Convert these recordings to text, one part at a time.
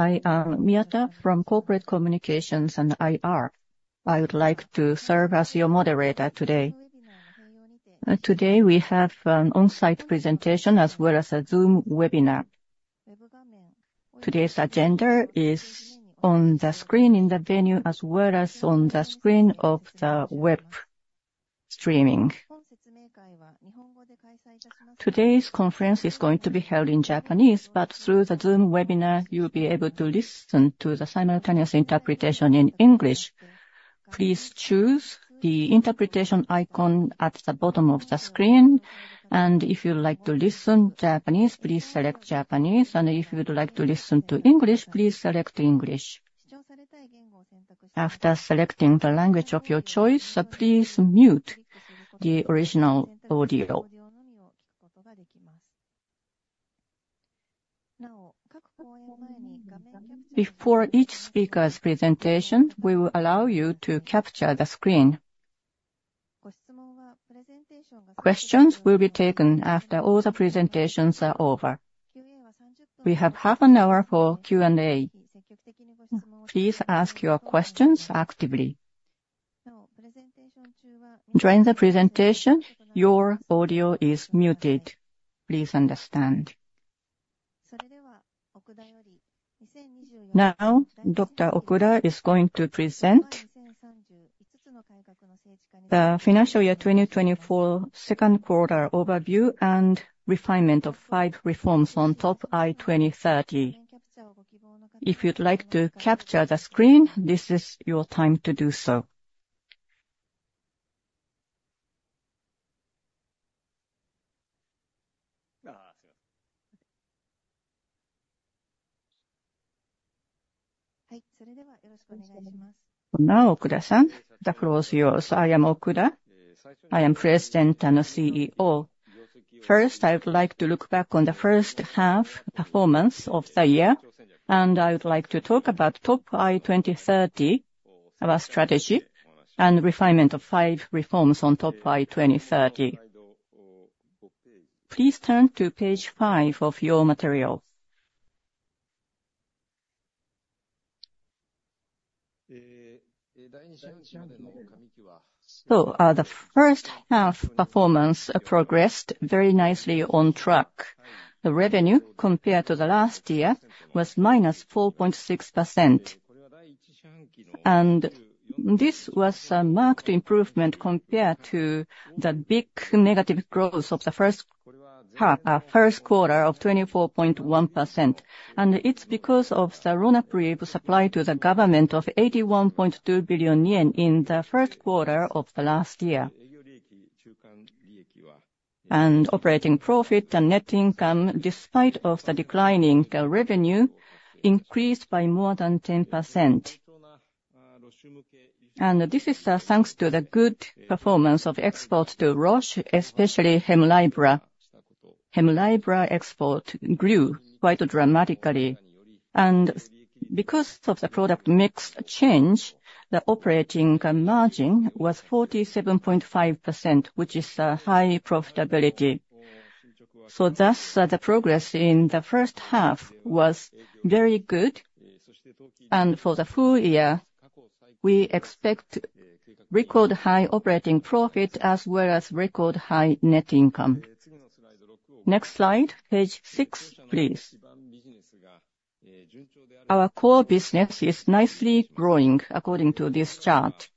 I am Miyata from Corporate Communications and IR. I would like to serve as your moderator today. Today, we have an on-site presentation as well as a Zoom webinar. Today's agenda is on the screen in the venue, as well as on the screen of the web streaming. Today's conference is going to be held in Japanese, but through the Zoom webinar, you'll be able to listen to the simultaneous interpretation in English. Please choose the interpretation icon at the bottom of the screen, and if you would like to listen Japanese, please select Japanese, and if you would like to listen to English, please select English. After selecting the language of your choice, please mute the original audio. Before each speaker's presentation, we will allow you to capture the screen. Questions will be taken after all the presentations are over. We have half an hour for Q&A. Please ask your questions actively. During the presentation, your audio is muted. Please understand. Now, Dr. Okuda is going to present the financial year 2024 second quarter overview and refinement of five reforms on TOP I 2030. If you'd like to capture the screen, this is your time to do so. Now, Okuda-san, the floor is yours. I am Okuda. I am President and CEO. First, I would like to look back on the first half performance of the year, and I would like to talk about TOP I 2030, our strategy, and refinement of five reforms on TOP I 2030. Please turn to page 5 of your material. So, the first half performance progressed very nicely on track. The revenue, compared to the last year, was -4.6%. This was a marked improvement compared to the big negative growth of the first half, first quarter of 24.1%. It's because of the RONAPREVE supply to the government of 81.2 billion yen in the first quarter of the last year. Operating profit and net income, despite of the declining revenue, increased by more than 10%. This is, thanks to the good performance of exports to Roche, especially HEMLIBRA. HEMLIBRA export grew quite dramatically. Because of the product mix change, the operating margin was 47.5%, which is a high profitability. So thus, the progress in the first half was very good, and for the full year, we expect record high operating profit as well as record high net income. Next slide, page 6, please. Our core business is nicely growing according to this chart.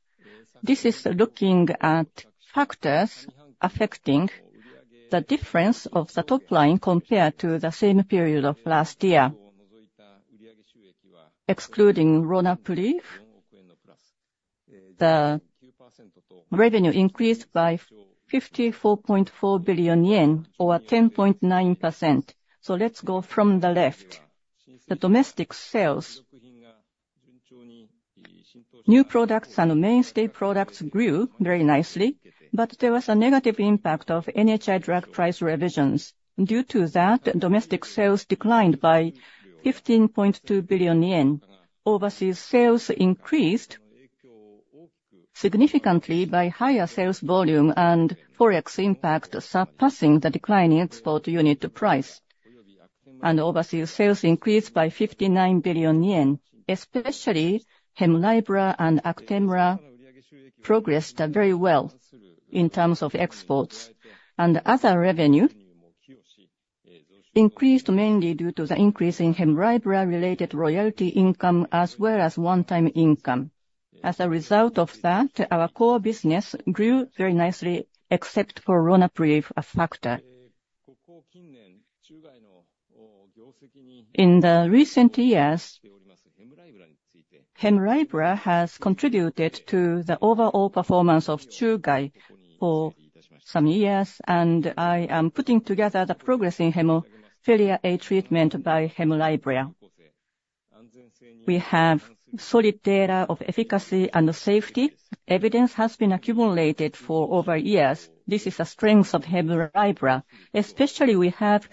This is looking at factors affecting the difference of the top line compared to the same period of last year. Excluding RONAPREVE, the revenue increased by 54.4 billion yen or 10.9%. So let's go from the left. The domestic sales. New products and mainstay products grew very nicely, but there was a negative impact of NHI drug price revisions. Due to that, domestic sales declined by 15.2 billion yen. Overseas sales increased significantly by higher sales volume, and Forex impact surpassing the decline in export unit price, and overseas sales increased by 59 billion yen. Especially, HEMLIBRA and ACTEMRA progressed very well in terms of exports. And other revenue increased mainly due to the increase in HEMLIBRA-related royalty income as well as one-time income. As a result of that, our core business grew very nicely, except for RONAPREVE factor. In recent years, HEMLIBRA has contributed to the overall performance of Chugai for some years, and I am putting together the progress in hemophilia A treatment by HEMLIBRA. We have solid data of efficacy and safety. Evidence has been accumulated for over years. This is the strength of HEMLIBRA. Especially, we have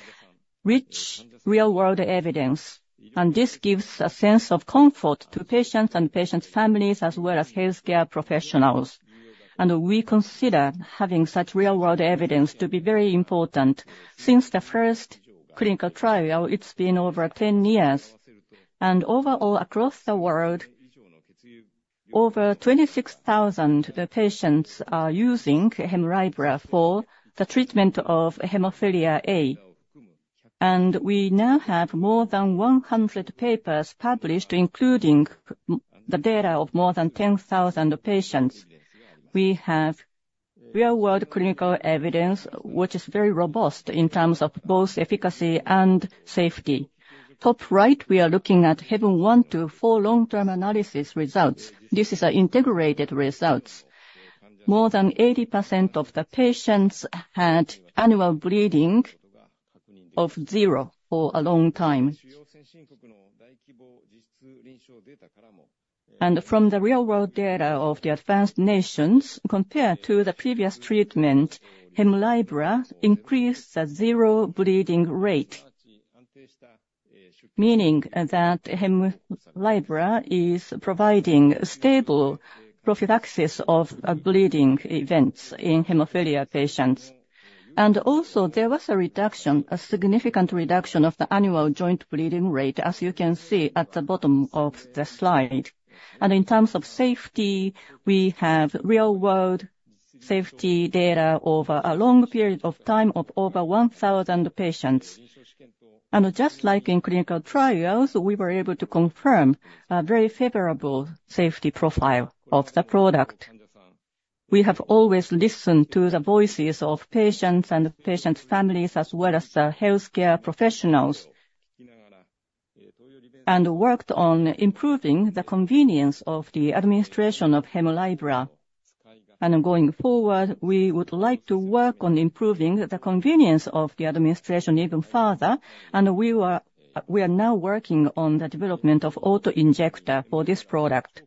rich real-world evidence, and this gives a sense of comfort to patients and patients' families as well as healthcare professionals. We consider having such real-world evidence to be very important. Since the first clinical trial, it's been over 10 years, and overall, across the world. Over 26,000 patients are using HEMLIBRA for the treatment of hemophilia A. We now have more than 100 papers published, including the data of more than 10,000 patients. We have real-world clinical evidence, which is very robust in terms of both efficacy and safety. Top right, we are looking at HAVEN I to IV long-term analysis results. This is our integrated results. More than 80% of the patients had annual bleeding of zero for a long time. From the real-world data of the advanced nations, compared to the previous treatment, HEMLIBRA increased the zero bleeding rate, meaning that HEMLIBRA is providing stable prophylaxis of bleeding events in hemophilia patients. Also, there was a reduction, a significant reduction of the annual joint bleeding rate, as you can see at the bottom of the slide. In terms of safety, we have real-world safety data over a long period of time of over 1,000 patients. Just like in clinical trials, we were able to confirm a very favorable safety profile of the product. We have always listened to the voices of patients and patients' families, as well as the healthcare professionals, and worked on improving the convenience of the administration of HEMLIBRA. Going forward, we would like to work on improving the convenience of the administration even further, and we are now working on the development of an auto-injector for this product.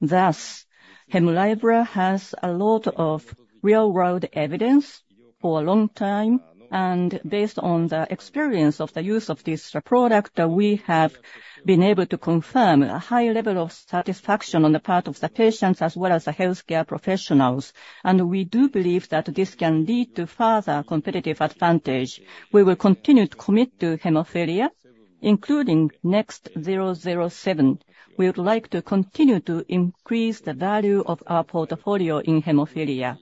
Thus, HEMLIBRA has a lot of real-world evidence for a long time, and based on the experience of the use of this product, we have been able to confirm a high level of satisfaction on the part of the patients as well as the healthcare professionals. We do believe that this can lead to further competitive advantage. We will continue to commit to hemophilia, including NXT007. We would like to continue to increase the value of our portfolio in hemophilia.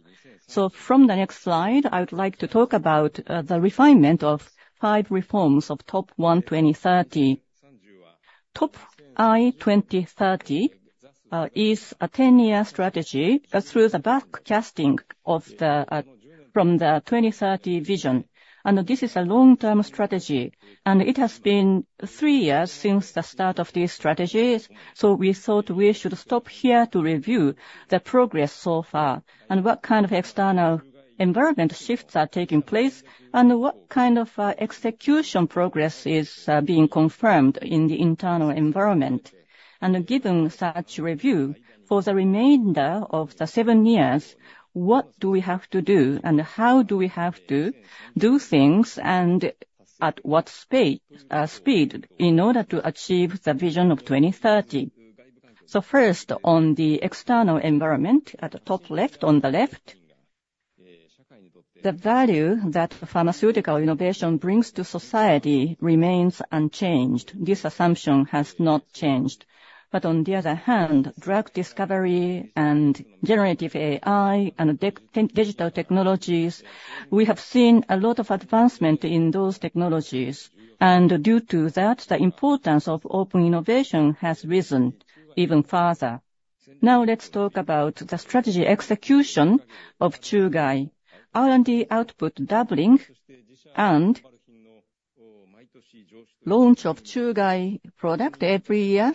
From the next slide, I would like to talk about the refinement of five reforms of TOP I 2030. TOP I 2030 is a 10-year strategy through the backcasting from the 2030 vision. And this is a long-term strategy, and it has been three years since the start of this strategy, so we thought we should stop here to review the progress so far, and what kind of external environment shifts are taking place, and what kind of execution progress is being confirmed in the internal environment. And given such review, for the remainder of the seven years, what do we have to do and how do we have to do things, and at what speed, in order to achieve the vision of 2030? So first, on the external environment, at the top left, on the left, the value that pharmaceutical innovation brings to society remains unchanged. This assumption has not changed. But on the other hand, drug discovery and generative AI and digital technologies, we have seen a lot of advancement in those technologies, and due to that, the importance of open innovation has risen even farther. Now let's talk about the strategy execution of Chugai. R&D output doubling and launch of Chugai product every year,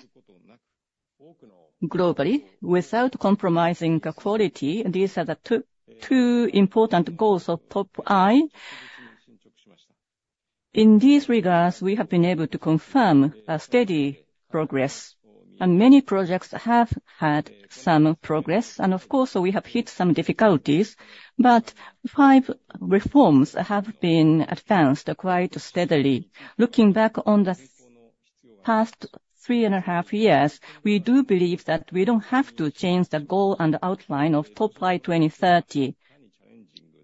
globally, without compromising the quality. These are the two, two important goals of Top I. In these regards, we have been able to confirm a steady progress, and many projects have had some progress. And of course, we have hit some difficulties, but five reforms have been advanced quite steadily. Looking back on the past three and a half years, we do believe that we don't have to change the goal and outline of TOP I 2030.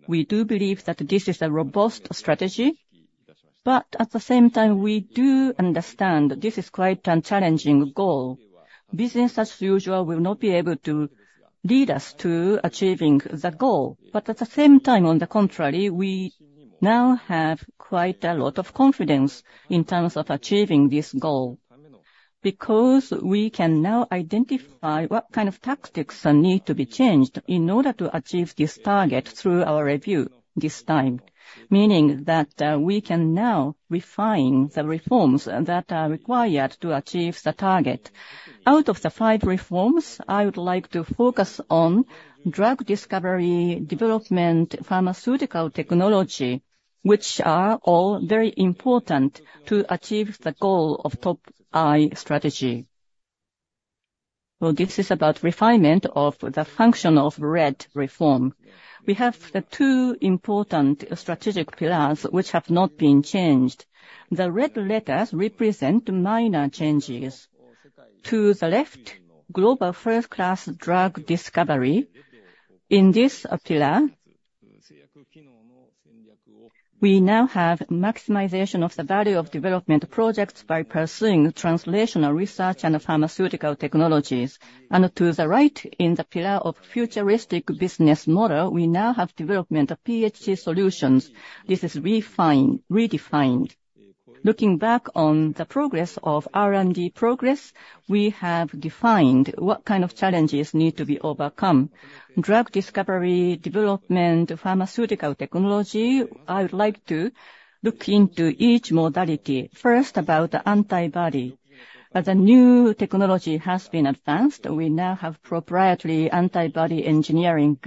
We do believe that this is a robust strategy, but at the same time, we do understand this is quite a challenging goal. Business as usual will not be able to lead us to achieving the goal. But at the same time, on the contrary, we now have quite a lot of confidence in terms of achieving this goal, because we can now identify what kind of tactics need to be changed in order to achieve this target through our review this time. Meaning that, we can now refine the reforms that are required to achieve the target. Out of the five reforms, I would like to focus on drug discovery, development, pharmaceutical technology, which are all very important to achieve the goal of TOP I strategy. Well, this is about refinement of the function of RED reform. We have the two important strategic pillars which have not been changed. The red letters represent minor changes. To the left, global first-class drug discovery. In this pillar, we now have maximization of the value of development projects by pursuing translational research and pharmaceutical technologies. And to the right, in the pillar of futuristic business model, we now have development of PHC solutions. This is refined, redefined. Looking back on the progress of R&D progress, we have defined what kind of challenges need to be overcome. Drug discovery, development, pharmaceutical technology, I would like to look into each modality. First, about antibody. As the new technology has been advanced, we now have proprietary antibody engineering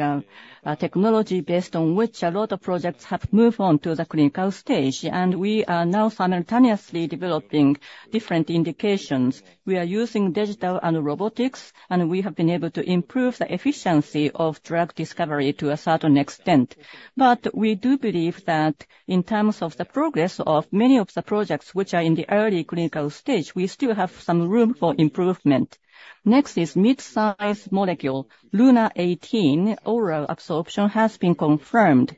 technology, based on which a lot of projects have moved on to the clinical stage, and we are now simultaneously developing different indications. We are using digital and robotics, and we have been able to improve the efficiency of drug discovery to a certain extent. But we do believe that in terms of the progress of many of the projects which are in the early clinical stage, we still have some room for improvement. Next is mid-size molecule. LUNA18 oral absorption has been confirmed.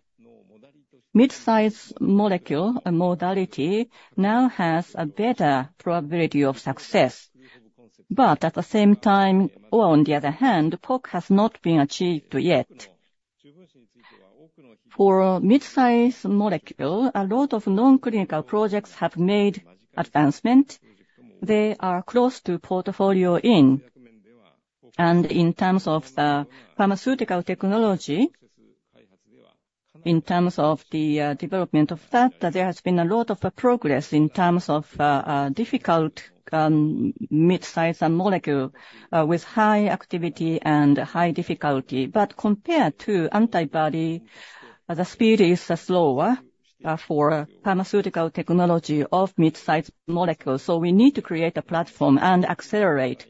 Mid-size molecule modality now has a better probability of success. But at the same time, or on the other hand, POC has not been achieved yet. For mid-size molecule, a lot of non-clinical projects have made advancement. They are close to portfolio in. In terms of the pharmaceutical technology, in terms of the development of that, there has been a lot of progress in terms of difficult mid-size molecule with high activity and high difficulty. But compared to antibody, the speed is slower for pharmaceutical technology of mid-size molecules, so we need to create a platform and accelerate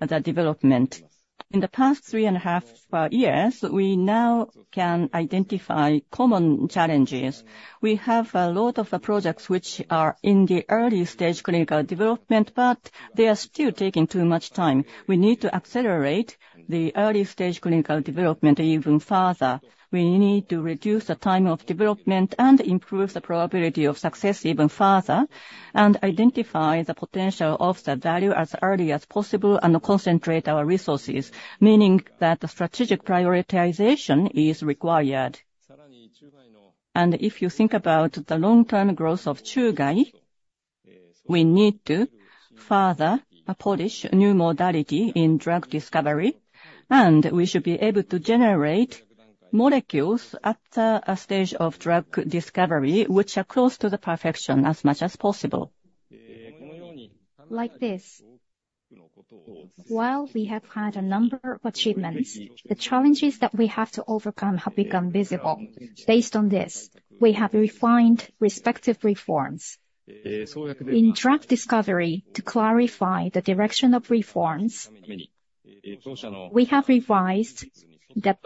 the development. In the past 3.5 years, we now can identify common challenges. We have a lot of projects which are in the early stage clinical development, but they are still taking too much time. We need to accelerate the early stage clinical development even further. We need to reduce the time of development and improve the probability of success even further, and identify the potential of the value as early as possible and concentrate our resources, meaning that strategic prioritization is required. If you think about the long-term growth of Chugai, we need to further polish new modality in drug discovery, and we should be able to generate molecules at a stage of drug discovery, which are close to the perfection as much as possible. Like this, while we have had a number of achievements, the challenges that we have to overcome have become visible. Based on this, we have refined respective reforms. In drug discovery, to clarify the direction of reforms, we have revised the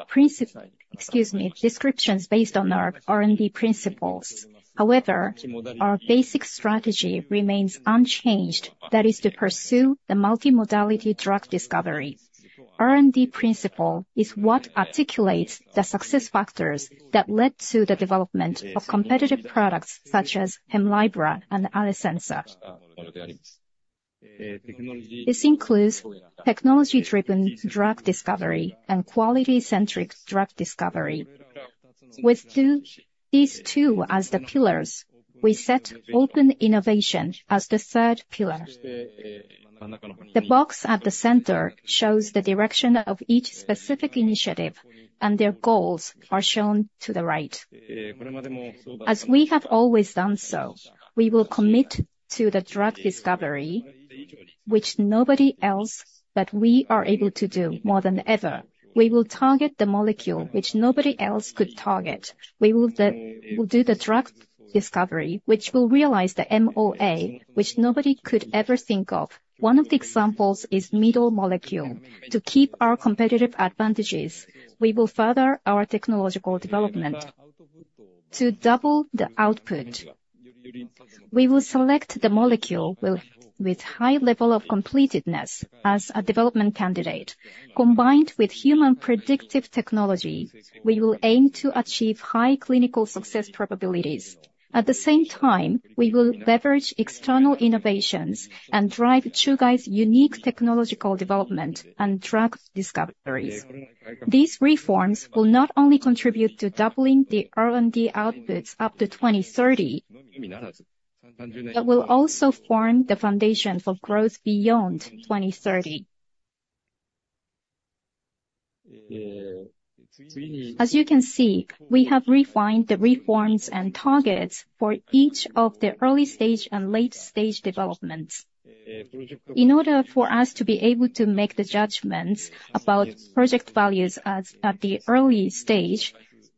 descriptions based on our R&D principles. However, our basic strategy remains unchanged, that is to pursue the multimodality drug discovery. R&D principle is what articulates the success factors that led to the development of competitive products such as HEMLIBRA and Alecensa. This includes technology-driven drug discovery and quality-centric drug discovery. With these two as the pillars, we set open innovation as the third pillar. The box at the center shows the direction of each specific initiative, and their goals are shown to the right. As we have always done so, we will commit to the drug discovery, which nobody else but we are able to do more than ever. We will target the molecule which nobody else could target. We'll do the drug discovery, which will realize the MOA, which nobody could ever think of. One of the examples is middle molecule. To keep our competitive advantages, we will further our technological development. To double the output, we will select the molecule with high level of completedness as a development candidate. Combined with human predictive technology, we will aim to achieve high clinical success probabilities. At the same time, we will leverage external innovations and drive Chugai's unique technological development and drug discoveries. These reforms will not only contribute to doubling the R&D outputs up to 2030, but will also form the foundation for growth beyond 2030. As you can see, we have refined the reforms and targets for each of the early stage and late stage developments. In order for us to be able to make the judgments about project values as at the early stage,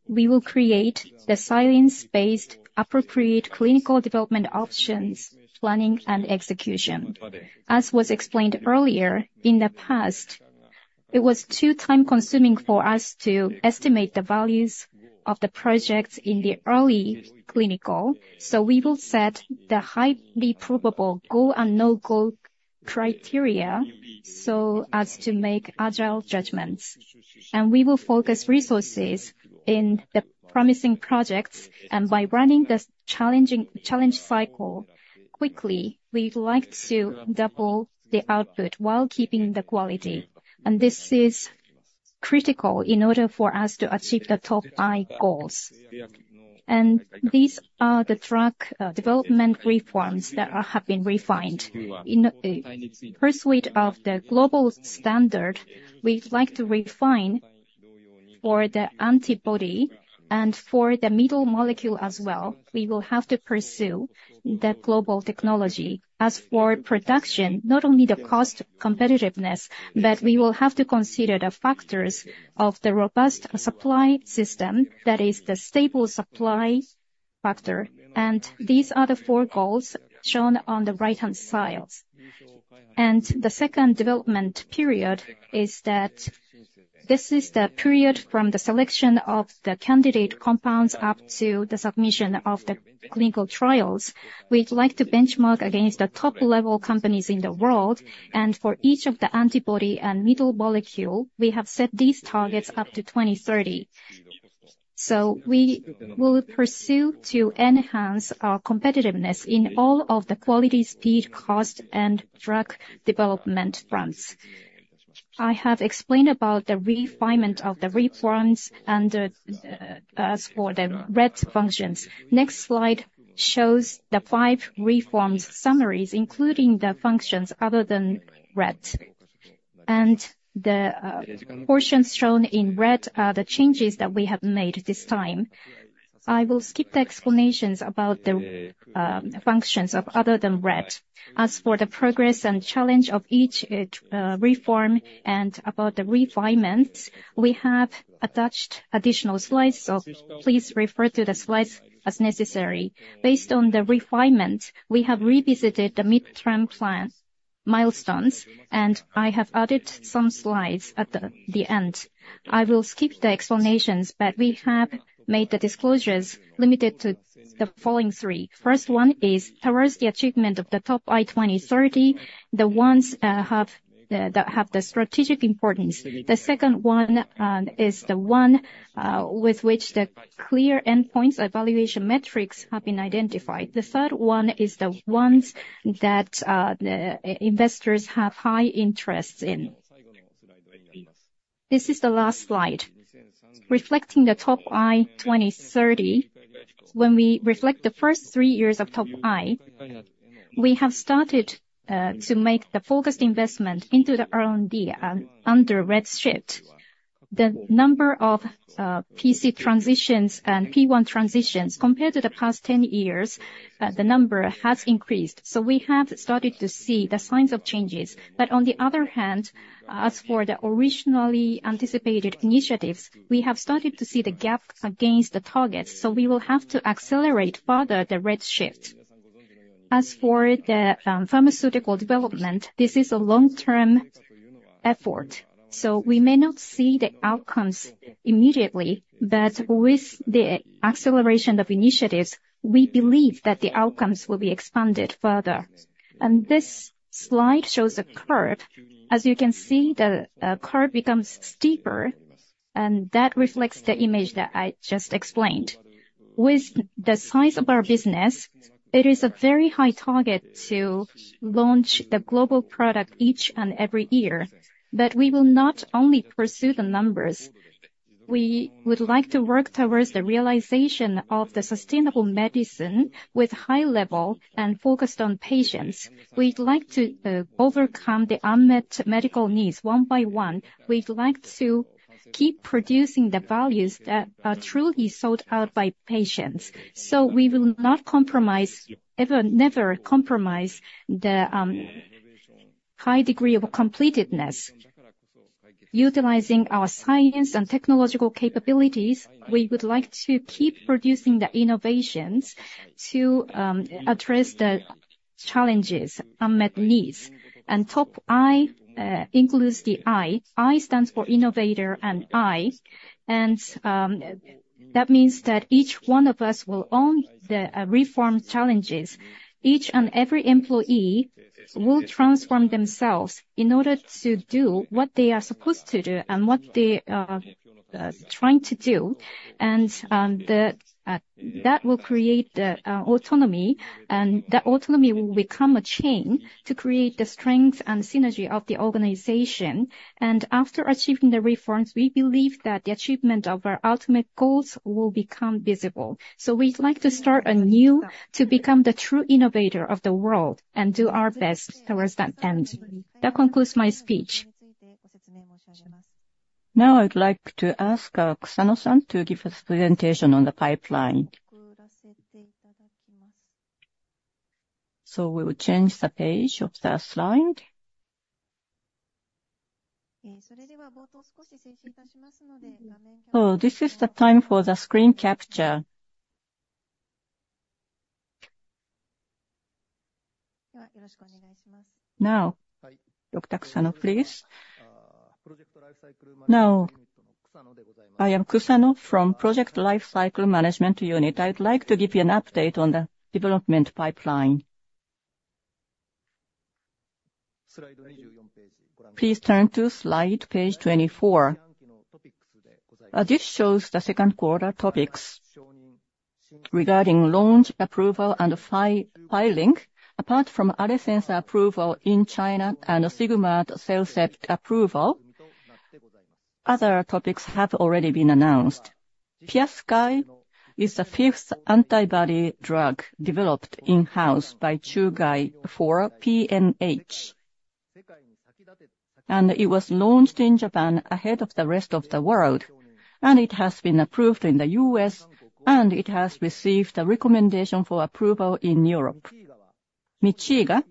we will create the science-based, appropriate clinical development options, planning and execution. As was explained earlier, in the past, it was too time-consuming for us to estimate the values of the projects in the early clinical, so we will set the highly probable go or no-go criteria so as to make agile judgments. We will focus resources in the promising projects, and by running this challenging challenge cycle quickly, we'd like to double the output while keeping the quality. This is critical in order for us to achieve the TOP I goals. These are the drug development reforms that have been refined. In pursuit of the global standard, we'd like to refine for the antibody and for the middle molecule as well, we will have to pursue the global technology. As for production, not only the cost competitiveness, but we will have to consider the factors of the robust supply system, that is the stable supply factor. These are the four goals shown on the right-hand side. The second development period is that this is the period from the selection of the candidate compounds up to the submission of the clinical trials. We'd like to benchmark against the top level companies in the world, and for each of the antibody and middle molecule, we have set these targets up to 2030. We will pursue to enhance our competitiveness in all of the quality, speed, cost, and drug development fronts. I have explained about the refinement of the reforms and as for the RED functions. Next slide shows the five reforms summaries, including the functions other than RED. And the portions shown in red are the changes that we have made this time. I will skip the explanations about the functions other than RED. As for the progress and challenge of each reform and about the refinements, we have attached additional slides, so please refer to the slides as necessary. Based on the refinement, we have revisited the mid-term plan milestones, and I have added some slides at the end. I will skip the explanations, but we have made the disclosures limited to the following three. First one is towards the achievement of the TOP I 2030, the ones have that have the strategic importance. The second one is the one with which the clear endpoints evaluation metrics have been identified. The third one is the ones that the investors have high interest in. This is the last slide. Reflecting the TOP I 2030, when we reflect the first three years of TOP I, we have started to make the focused investment into the R&D under RED Shift. The number of POC transitions and P1 transitions, compared to the past 10 years, the number has increased. So we have started to see the signs of changes. But on the other hand, as for the originally anticipated initiatives, we have started to see the gap against the targets, so we will have to accelerate further the RED Shift. As for the pharmaceutical development, this is a long-term effort, so we may not see the outcomes immediately, but with the acceleration of initiatives, we believe that the outcomes will be expanded further. This slide shows a curve. As you can see, the curve becomes steeper, and that reflects the image that I just explained. With the size of our business, it is a very high target to launch the global product each and every year. But we will not only pursue the numbers, we would like to work towards the realization of the sustainable medicine with high level and focused on patients. We'd like to overcome the unmet medical needs one by one. We'd like to keep producing the values that are truly sought out by patients. So we will not compromise, ever, never compromise the high degree of completedness. Utilizing our science and technological capabilities, we would like to keep producing the innovations to address the challenges, unmet needs. And TOP I includes the I. I stands for innovator and I, and that means that each one of us will own the reform challenges. Each and every employee will transform themselves in order to do what they are supposed to do and what they are trying to do. And that will create the autonomy, and the autonomy will become a chain to create the strength and synergy of the organization. And after achieving the reforms, we believe that the achievement of our ultimate goals will become visible. So we'd like to start anew to become the true innovator of the world and do our best towards that end. That concludes my speech. Now I'd like to ask, Kusano-san, to give a presentation on the pipeline. We will change the page of the slide. This is the time for the screen capture. Now, Dr. Kusano, please. Now, I am Kusano from Project Lifecycle Management Unit. I'd like to give you an update on the development pipeline. Please turn to slide page 24. This shows the second quarter topics regarding launch, approval, and filing. Apart from Alecensa approval in China and CellCept approval, other topics have already been announced. PIASKY is the fifth antibody drug developed in-house by Chugai for PNH, and it was launched in Japan ahead of the rest of the world, and it has been approved in the U.S., and it has received a recommendation for approval in Europe. Mitchga,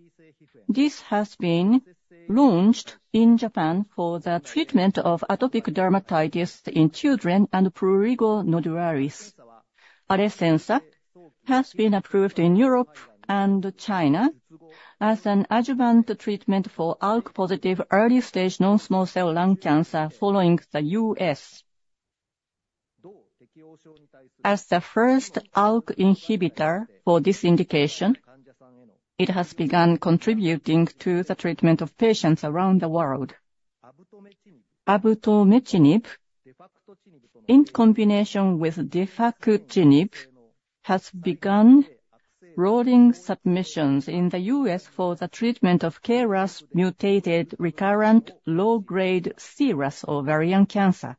this has been launched in Japan for the treatment of atopic dermatitis in children and prurigo nodularis. Alecensa has been approved in Europe and China as an adjuvant treatment for ALK-positive early-stage non-small cell lung cancer, following the U.S. As the first ALK inhibitor for this indication, it has begun contributing to the treatment of patients around the world. Avutometinib, in combination with defactinib, has begun rolling submissions in the U.S. for the treatment of KRAS mutated recurrent low-grade serous ovarian cancer.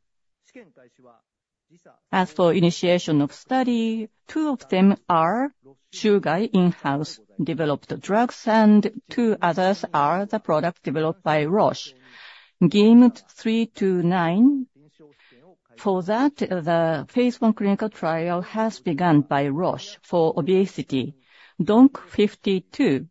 As for initiation of study, 2 of them are Chugai in-house developed drugs, and 2 others are the products developed by Roche. GYM329, for that, the phase 1 clinical trial has begun by Roche for obesity. DONQ52,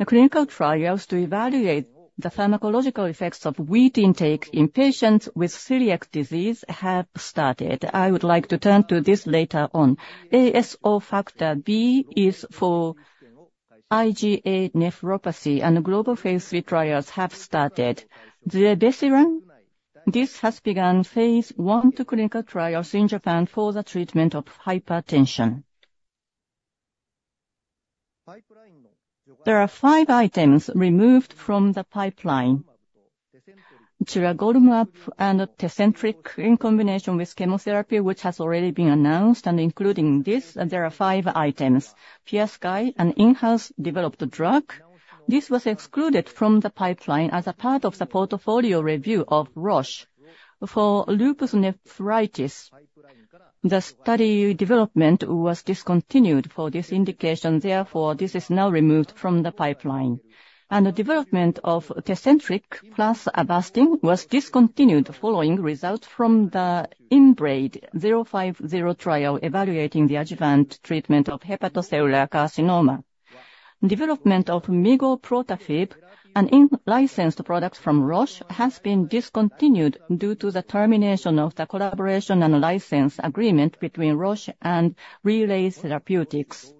the clinical trials to evaluate the pharmacological effects of wheat intake in patients with celiac disease have started. I would like to turn to this later on. ASO Factor B is for IgA nephropathy, and global phase III trials have started. Zilebesiran, this has begun phase I clinical trials in Japan for the treatment of hypertension. There are five items removed from the pipeline. Tiragolumab and Tecentriq in combination with chemotherapy, which has already been announced, and including this, there are five items. PIASKY, an in-house developed drug, this was excluded from the pipeline as a part of the portfolio review of Roche. For lupus nephritis, the study development was discontinued for this indication, therefore, this is now removed from the pipeline. The development of Tecentriq plus Avastin was discontinued following results from the IMbrave050 trial, evaluating the adjuvant treatment of hepatocellular carcinoma. Development of Migoprotafib, an in-licensed product from Roche, has been discontinued due to the termination of the collaboration and license agreement between Roche and Relay Therapeutics.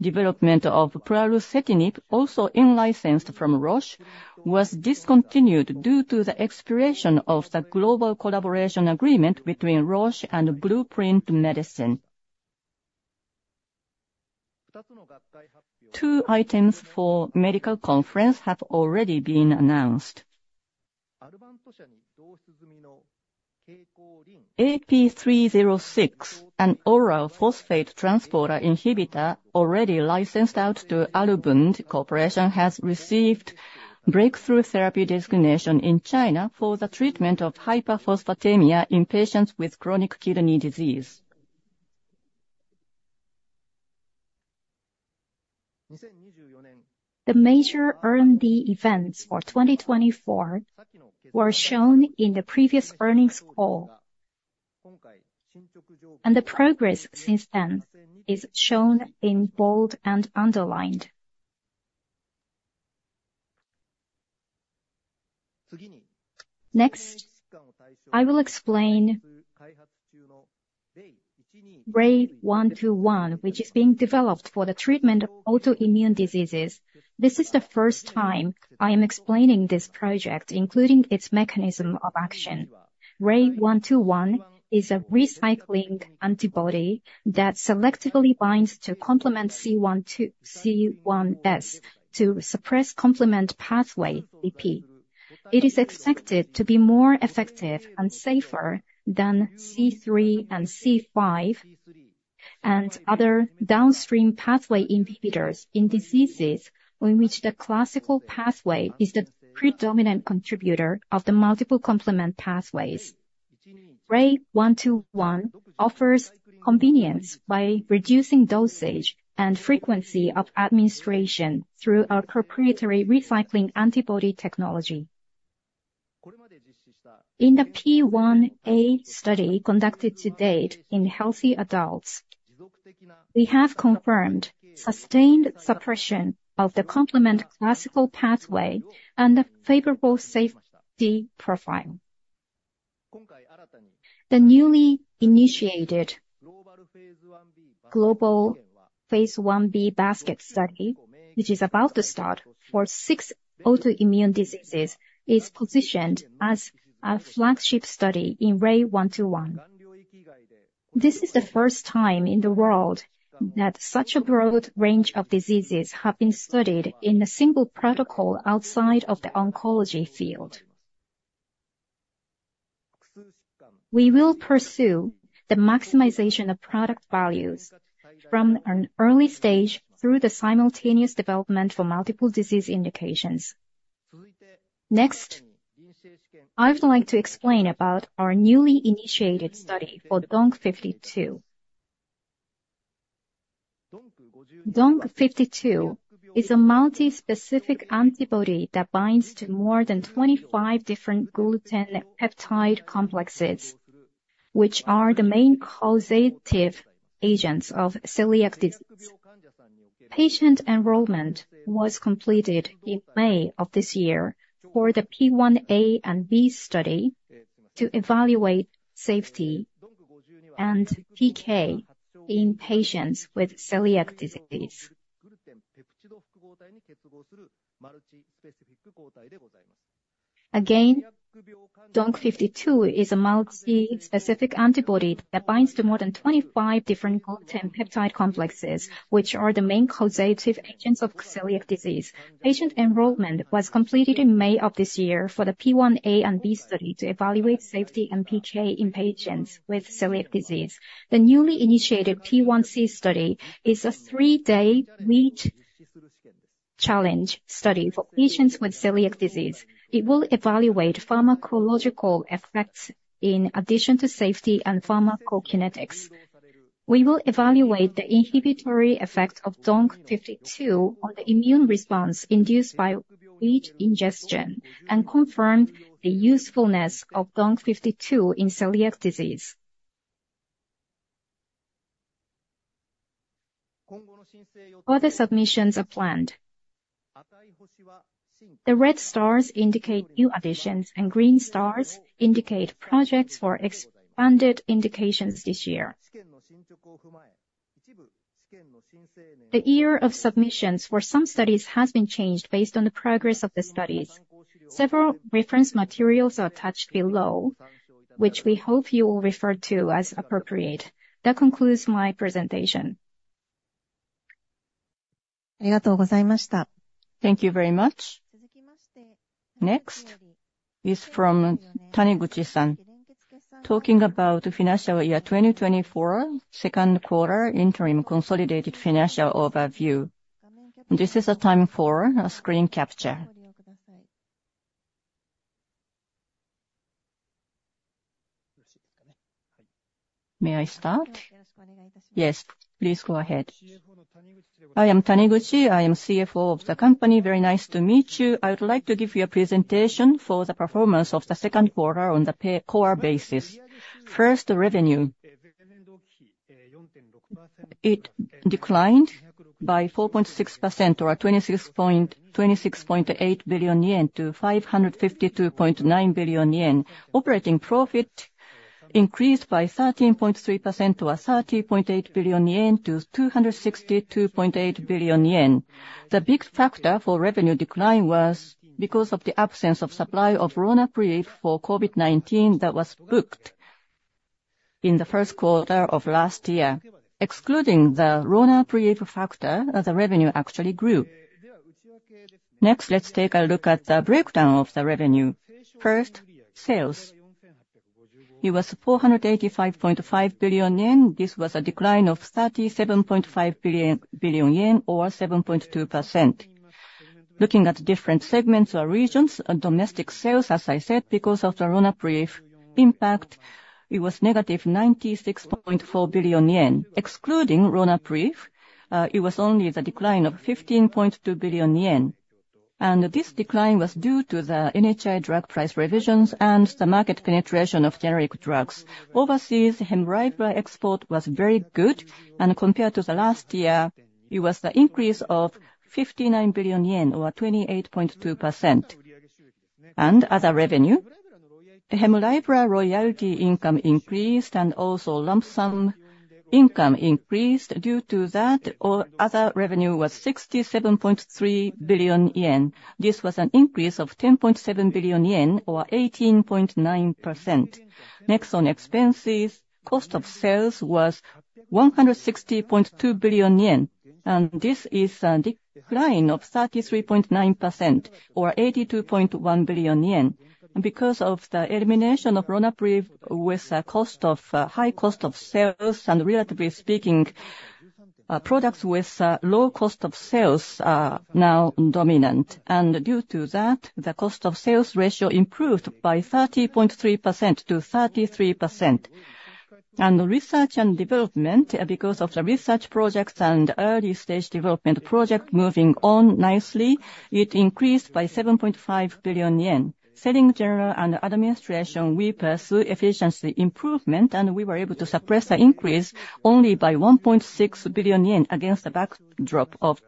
Development of pralsetinib, also in-licensed from Roche, was discontinued due to the expiration of the global collaboration agreement between Roche and Blueprint Medicines. Two items for medical conference have already been announced. AP306, an oral phosphate transporter inhibitor, already licensed out to Alebund Pharmaceuticals, has received breakthrough therapy designation in China for the treatment of hyperphosphatemia in patients with chronic kidney disease. The major R&D events for 2024 were shown in the previous earnings call, and the progress since then is shown in bold and underlined. Next, I will explain RAY121, which is being developed for the treatment of autoimmune diseases. This is the first time I am explaining this project, including its mechanism of action. RAY121 is a recycling antibody that selectively binds to complement C1s to suppress complement pathway CP. It is expected to be more effective and safer than C3 and C5, and other downstream pathway inhibitors in diseases in which the classical pathway is the predominant contributor of the multiple complement pathways. RAY121 offers convenience by reducing dosage and frequency of administration through our proprietary recycling antibody technology. In the P1a study conducted to date in healthy adults, we have confirmed sustained suppression of the complement classical pathway and a favorable safety profile. The newly initiated global phase 1b basket study, which is about to start for six autoimmune diseases, is positioned as a flagship study in RAY121. This is the first time in the world that such a broad range of diseases have been studied in a single protocol outside of the oncology field. We will pursue the maximization of product values from an early stage through the simultaneous development for multiple disease indications. Next, I would like to explain about our newly initiated study for DONQ52. DONQ52 is a multi-specific antibody that binds to more than 25 different gluten peptide complexes, which are the main causative agents of celiac disease. Patient enrollment was completed in May of this year for the P1A and B study to evaluate safety and PK in patients with celiac disease. Again, DONQ52 is a multi-specific antibody that binds to more than 25 different gluten peptide complexes, which are the main causative agents of celiac disease. Patient enrollment was completed in May of this year for the P1A and B study to evaluate safety and PK in patients with celiac disease. The newly initiated P1C study is a 3-day wheat challenge study for patients with celiac disease. It will evaluate pharmacological effects in addition to safety and pharmacokinetics. We will evaluate the inhibitory effect of DONQ52 on the immune response induced by wheat ingestion, and confirm the usefulness of DONQ52 in celiac disease. Other submissions are planned. The red stars indicate new additions, and green stars indicate projects for expanded indications this year. The year of submissions for some studies has been changed based on the progress of the studies. Several reference materials are attached below, which we hope you will refer to as appropriate. That concludes my presentation. Thank you very much. Next is from Taniguchi-san, talking about financial year 2024, second quarter interim consolidated financial overview. This is a time for a screen capture. May I start? Yes, please go ahead. I am Taniguchi, I am CFO of the company. Very nice to meet you. I would like to give you a presentation for the performance of the second quarter on the Core basis. First, revenue. It declined by 4.6%, or 26.8 billion yen, to 552.9 billion yen. Operating profit increased by 13.3% to 30.8 billion yen to 262.8 billion yen. The big factor for revenue decline was because of the absence of supply of RONAPREVE for COVID-19 that was booked in the first quarter of last year. Excluding the RONAPREVE factor, the revenue actually grew. Next, let's take a look at the breakdown of the revenue. First, sales. It was 485.5 billion yen. This was a decline of 37.5 billion yen, or 7.2%. Looking at different segments or regions, and domestic sales, as I said, because of the RONAPREVE impact, it was -96.4 billion yen. Excluding RONAPREVE, it was only the decline of 15.2 billion yen. And this decline was due to the NHI drug price revisions and the market penetration of generic drugs. Overseas, HEMLIBRA export was very good, and compared to the last year, it was the increase of 59 billion yen, or 28.2%. And other revenue, HEMLIBRA royalty income increased, and also lump sum income increased. Due to that, other revenue was 67.3 billion yen. This was an increase of 10.7 billion yen, or 18.9%. Next, on expenses, cost of sales was 160.2 billion yen, and this is a decline of 33.9%, or 82.1 billion yen. And because of the elimination of RONAPREVE, with the cost of high cost of sales, and relatively speaking, products with low cost of sales are now dominant. And due to that, the cost of sales ratio improved by 30.3% to 33%. And the research and development, because of the research projects and early-stage development project moving on nicely, it increased by 7.5 billion yen. Selling, general and administration, we pursue efficiency improvement, and we were able to suppress the increase only by 1.6 billion yen against the backdrop of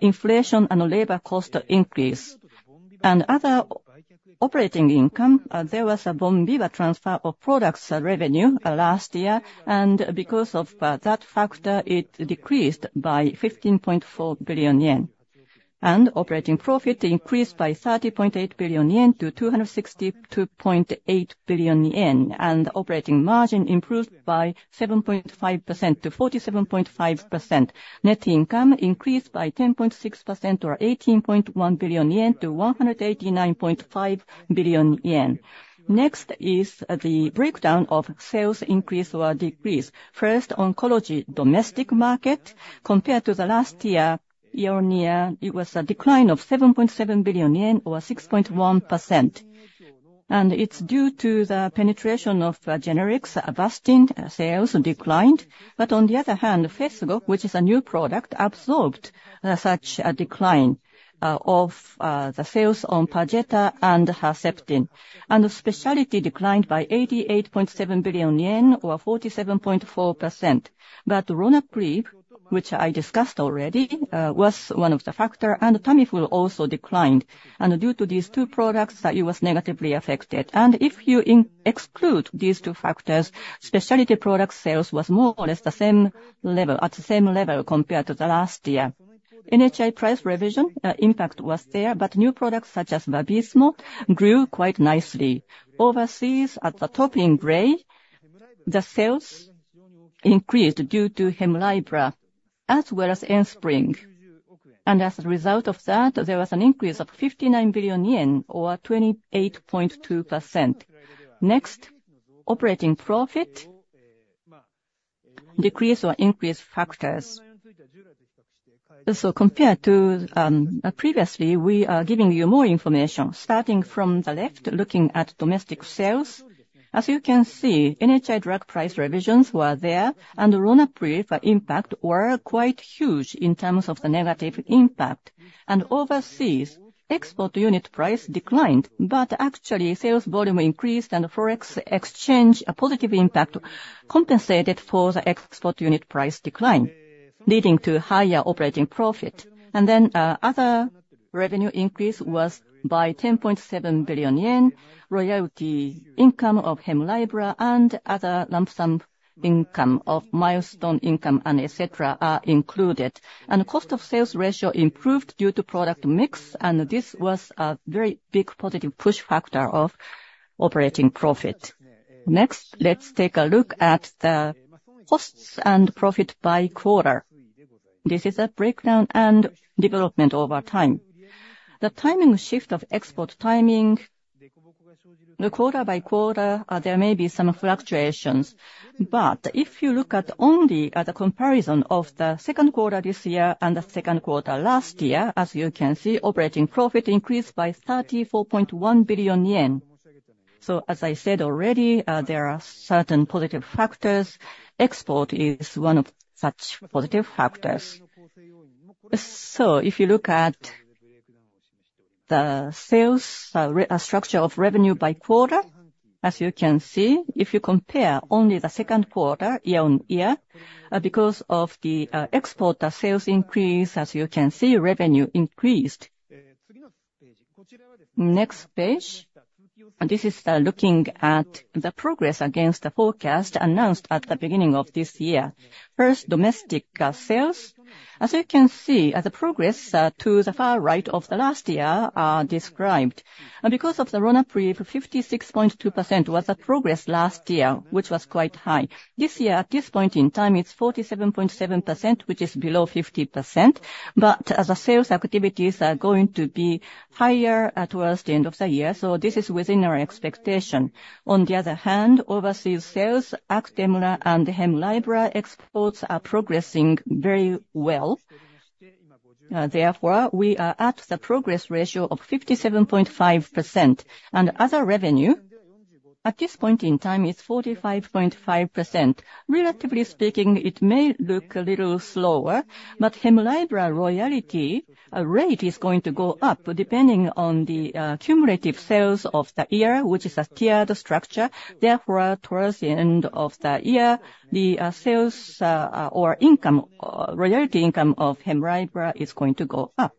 inflation and labor cost increase. Operating income, there was a Bonviva transfer of products, revenue, last year, and because of, that factor, it decreased by 15.4 billion yen. Operating profit increased by 30.8 billion yen to 262.8 billion yen. Operating margin improved by 7.5% to 47.5%. Net income increased by 10.6% or 18.1 billion yen to 189.5 billion yen. Next is, the breakdown of sales increase or decrease. First, oncology domestic market. Compared to the last year, year-on-year, it was a decline of 7.7 billion yen or 6.1%. It's due to the penetration of generics. Avastin sales declined. On the other hand, PHESGO, which is a new product, absorbed such a decline of the sales of Perjeta and Herceptin. The specialty declined by JPY 88.7 billion or 47.4%. RONAPREVE, which I discussed already, was one of the factor, and Tamiflu also declined. Due to these two products, it was negatively affected. If you exclude these two factors, specialty product sales was more or less the same level, at the same level compared to the last year. NHI price revision impact was there, but new products such as VABYSMO grew quite nicely. Overseas, at the top in gray, the sales increased due to HEMLIBRA as well as Enspryng. And as a result of that, there was an increase of 59 billion yen or 28.2%. Next, operating profit decrease or increase factors. So compared to previously, we are giving you more information. Starting from the left, looking at domestic sales. As you can see, NHI drug price revisions were there, and the RONAPREVE impact were quite huge in terms of the negative impact. And overseas, export unit price declined, but actually, sales volume increased, and Forex exchange, a positive impact, compensated for the export unit price decline, leading to higher operating profit. And then, other revenue increase was by 10.7 billion yen. Royalty income of HEMLIBRA and other lump sum income of milestone income and et cetera are included. Cost of sales ratio improved due to product mix, and this was a very big positive push factor of operating profit. Next, let's take a look at the costs and profit by quarter. This is a breakdown and development over time. The timing shift of export timing, the quarter by quarter, there may be some fluctuations. But if you look at only at the comparison of the second quarter this year and the second quarter last year, as you can see, operating profit increased by 34.1 billion yen. As I said already, there are certain positive factors. Export is one of such positive factors. So if you look at the sales, restructure of revenue by quarter, as you can see, if you compare only the second quarter year-on-year, because of the export, the sales increase, as you can see, revenue increased. Next page. And this is looking at the progress against the forecast announced at the beginning of this year. First, domestic sales. As you can see, the progress to the far right of the last year are described. And because of the RONAPREVE, 56.2% was the progress last year, which was quite high. This year, at this point in time, it's 47.7%, which is below 50%. But as the sales activities are going to be higher towards the end of the year, so this is within our expectation. On the other hand, overseas sales, ACTEMRA and HEMLIBRA exports are progressing very well. Therefore, we are at the progress ratio of 57.5%. Other revenue at this point in time is 45.5%. Relatively speaking, it may look a little slower, but HEMLIBRA royalty rate is going to go up depending on the cumulative sales of the year, which is a tiered structure. Therefore, towards the end of the year, the sales or income royalty income of HEMLIBRA is going to go up.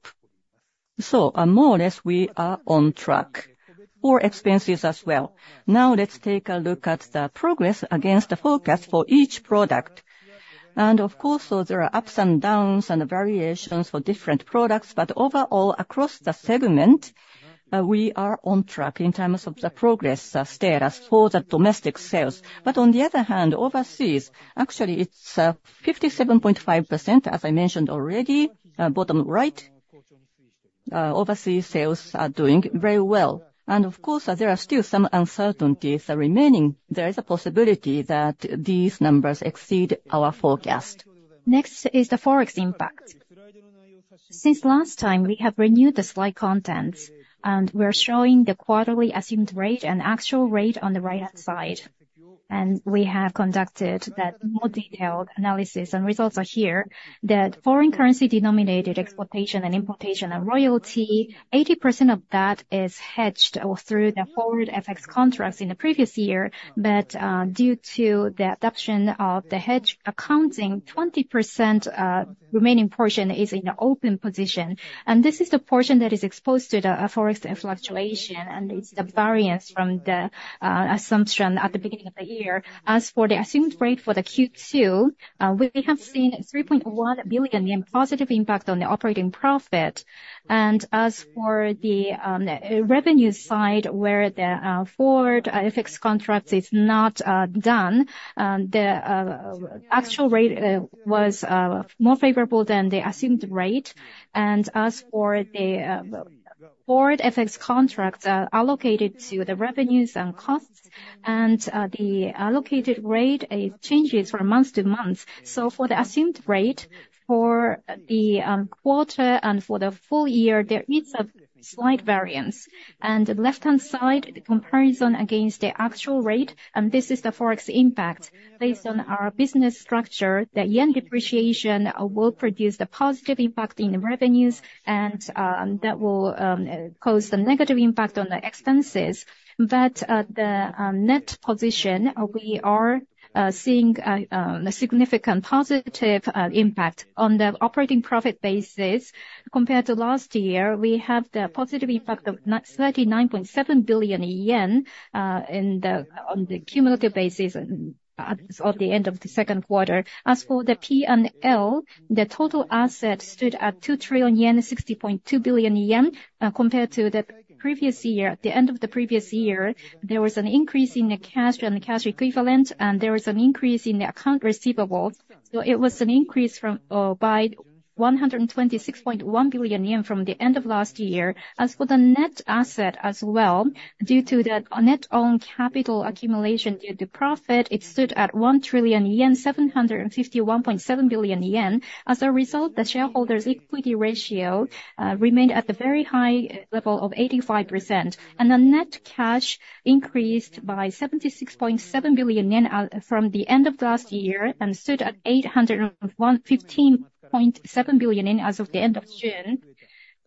So more or less, we are on track for expenses as well. Now, let's take a look at the progress against the forecast for each product. Of course, so there are ups and downs and variations for different products, but overall, across the segment, we are on track in terms of the progress, status for the domestic sales. But on the other hand, overseas, actually, it's 57.5%, as I mentioned already. Bottom right, overseas sales are doing very well. And of course, there are still some uncertainties remaining. There is a possibility that these numbers exceed our forecast. Next is the Forex impact. Since last time, we have renewed the slide contents, and we're showing the quarterly assumed rate and actual rate on the right-hand side. ... and we have conducted that more detailed analysis, and results are here, that foreign currency denominated exportation and importation and royalty, 80% of that is hedged or through the forward FX contracts in the previous year. But, due to the adoption of the hedge accounting, 20%, remaining portion is in an open position, and this is the portion that is exposed to the, Forex fluctuation, and it's the variance from the, assumption at the beginning of the year. As for the assumed rate for the Q2, we, we have seen 3.1 billion in positive impact on the operating profit. And as for the, revenue side, where the, forward, FX contract is not, done, the, actual rate, was, more favorable than the assumed rate. As for the forward FX contracts allocated to the revenues and costs, and the allocated rate, it changes from month to month. For the assumed rate for the quarter and for the full year, there is a slight variance. The left-hand side, the comparison against the actual rate, and this is the Forex impact. Based on our business structure, the yen depreciation will produce a positive impact in the revenues, and that will cause a negative impact on the expenses. The net position, we are seeing a significant positive impact on the operating profit basis. Compared to last year, we have the positive impact of 39.7 billion yen on the cumulative basis at the end of the second quarter. As for the P&L, the total assets stood at 2,060.2 billion yen. Compared to the previous year, at the end of the previous year, there was an increase in the cash and cash equivalent, and there was an increase in the account receivables. It was an increase from, by 126.1 billion yen from the end of last year. As for the net asset as well, due to the net own capital accumulation due to profit, it stood at 1,751.7 billion yen. As a result, the shareholders' equity ratio remained at the very high level of 85%, and the net cash increased by 76.7 billion yen from the end of last year and stood at 815.7 billion yen as of the end of June.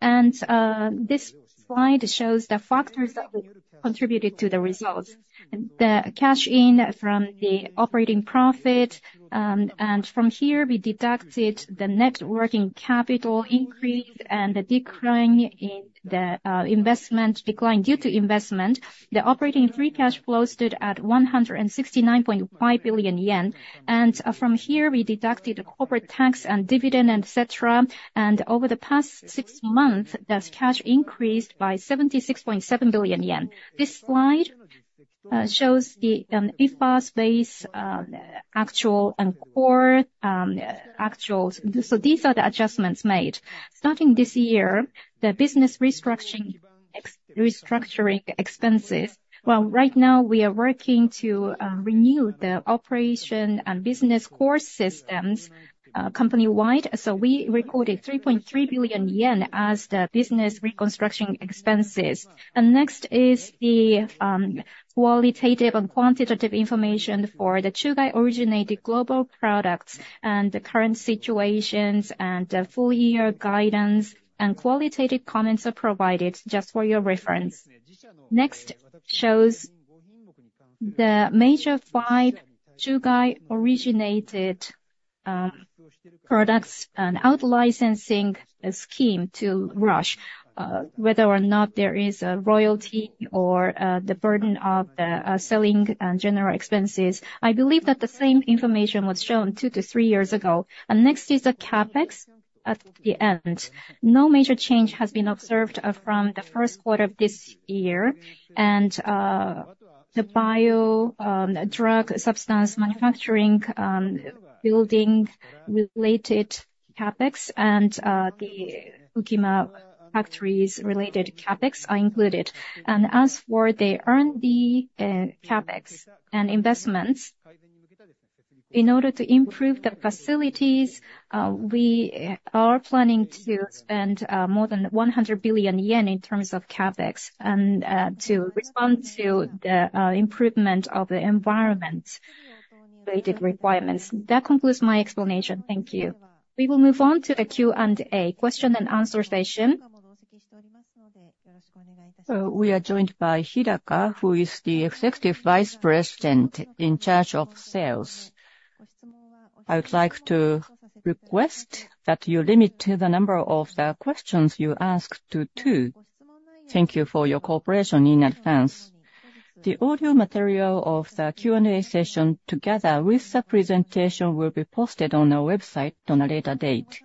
And this slide shows the factors that contributed to the results. The cash in from the operating profit, and from here, we deducted the net working capital increase and the decline in the investment, decline due to investment. The operating free cash flow stood at 169.5 billion yen, and from here we deducted corporate tax and dividend, et cetera. And over the past six months, the cash increased by 76.7 billion yen. This slide shows the IFRS base actual and core actuals. So these are the adjustments made. Starting this year, the business restructuring expenses... Well, right now, we are working to renew the operation and business core systems company-wide. So we recorded 3.3 billion yen as the business reconstruction expenses. And next is the qualitative and quantitative information for the Chugai-originated global products and the current situations and full year guidance and qualitative comments are provided just for your reference. Next shows the major five Chugai-originated products and out-licensing scheme to Roche, whether or not there is a royalty or the burden of the selling and general expenses. I believe that the same information was shown two to three years ago. And next is the CapEx at the end. No major change has been observed from the first quarter of this year, and the bio drug substance manufacturing building related CapEx and the Ukima factories related CapEx are included. And as for the R&D CapEx and investments, in order to improve the facilities, we are planning to spend more than 100 billion yen in terms of CapEx and to respond to the improvement of the environment-related requirements. That concludes my explanation. Thank you. We will move on to the Q&A, question and answer session. We are joined by Hidaka, who is the Executive Vice President in charge of sales. I would like to request that you limit the number of the questions you ask to two. Thank you for your cooperation in advance. The audio material of the Q&A session, together with the presentation, will be posted on our website on a later date.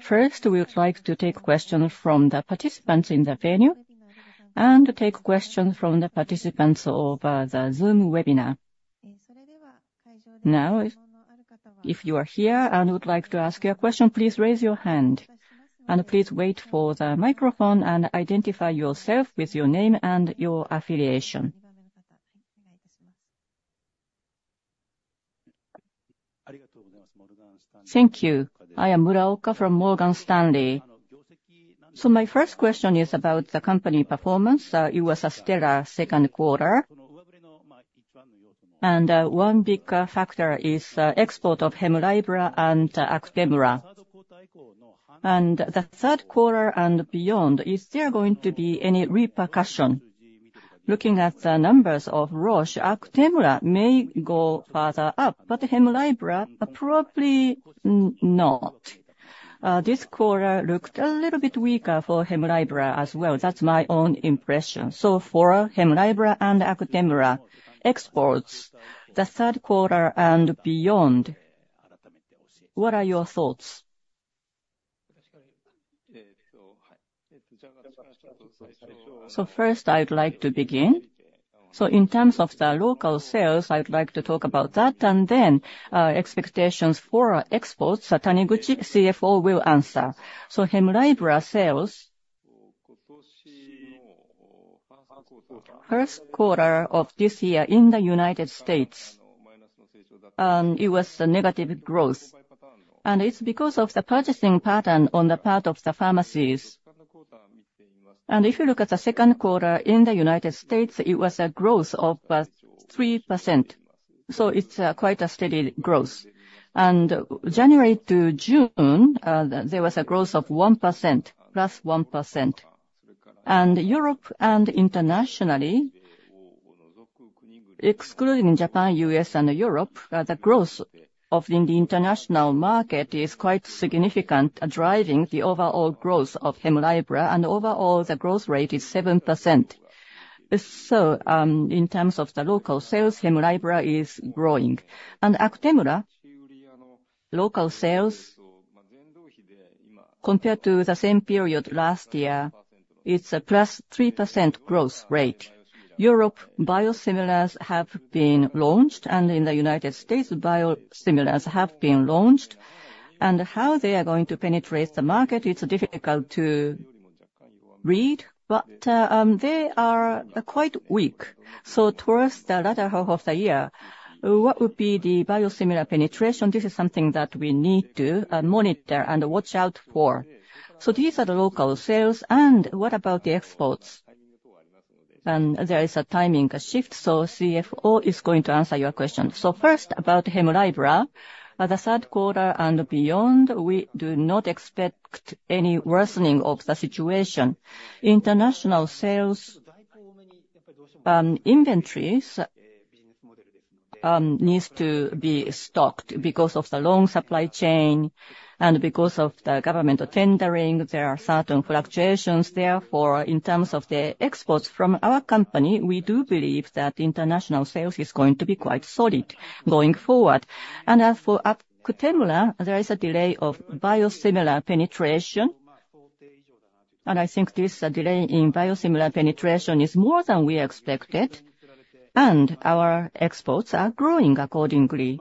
First, we would like to take questions from the participants in the venue and take questions from the participants over the Zoom webinar. Now, if you are here and would like to ask your question, please raise your hand, and please wait for the microphone and identify yourself with your name and your affiliation. Thank you. I am Muraoka from Morgan Stanley. So my first question is about the company performance. It was a stellar second quarter, and one big factor is export of HEMLIBRA and ACTEMRA. The third quarter and beyond, is there going to be any repercussion? Looking at the numbers of Roche, ACTEMRA may go further up, but HEMLIBRA probably not. This quarter looked a little bit weaker for HEMLIBRA as well. That's my own impression. So for HEMLIBRA and ACTEMRA exports, the third quarter and beyond, what are your thoughts? First, I'd like to begin. In terms of the local sales, I'd like to talk about that, and then expectations for exports, Taniguchi, CFO, will answer. HEMLIBRA sales... first quarter of this year in the United States, it was a negative growth, and it's because of the purchasing pattern on the part of the pharmacies. And if you look at the second quarter in the United States, it was a growth of 3%, so it's quite a steady growth. And January to June, there was a growth of 1%, plus 1%. And Europe and internationally, excluding Japan, U.S., and Europe, the growth of the international market is quite significant, driving the overall growth of HEMLIBRA, and overall, the growth rate is 7%. So, in terms of the local sales, HEMLIBRA is growing. And ACTEMRA local sales, compared to the same period last year, it's a plus 3% growth rate. Europe biosimilars have been launched, and in the United States, biosimilars have been launched. And how they are going to penetrate the market, it's difficult to read, but they are quite weak. So towards the latter half of the year, what would be the biosimilar penetration? This is something that we need to monitor and watch out for. So these are the local sales, and what about the exports? And there is a timing shift, so CFO is going to answer your question. So first, about HEMLIBRA. The third quarter and beyond, we do not expect any worsening of the situation. International sales, inventories, needs to be stocked because of the long supply chain and because of the government tendering, there are certain fluctuations. Therefore, in terms of the exports from our company, we do believe that international sales is going to be quite solid going forward. As for ACTEMRA, there is a delay of biosimilar penetration, and I think this delay in biosimilar penetration is more than we expected, and our exports are growing accordingly,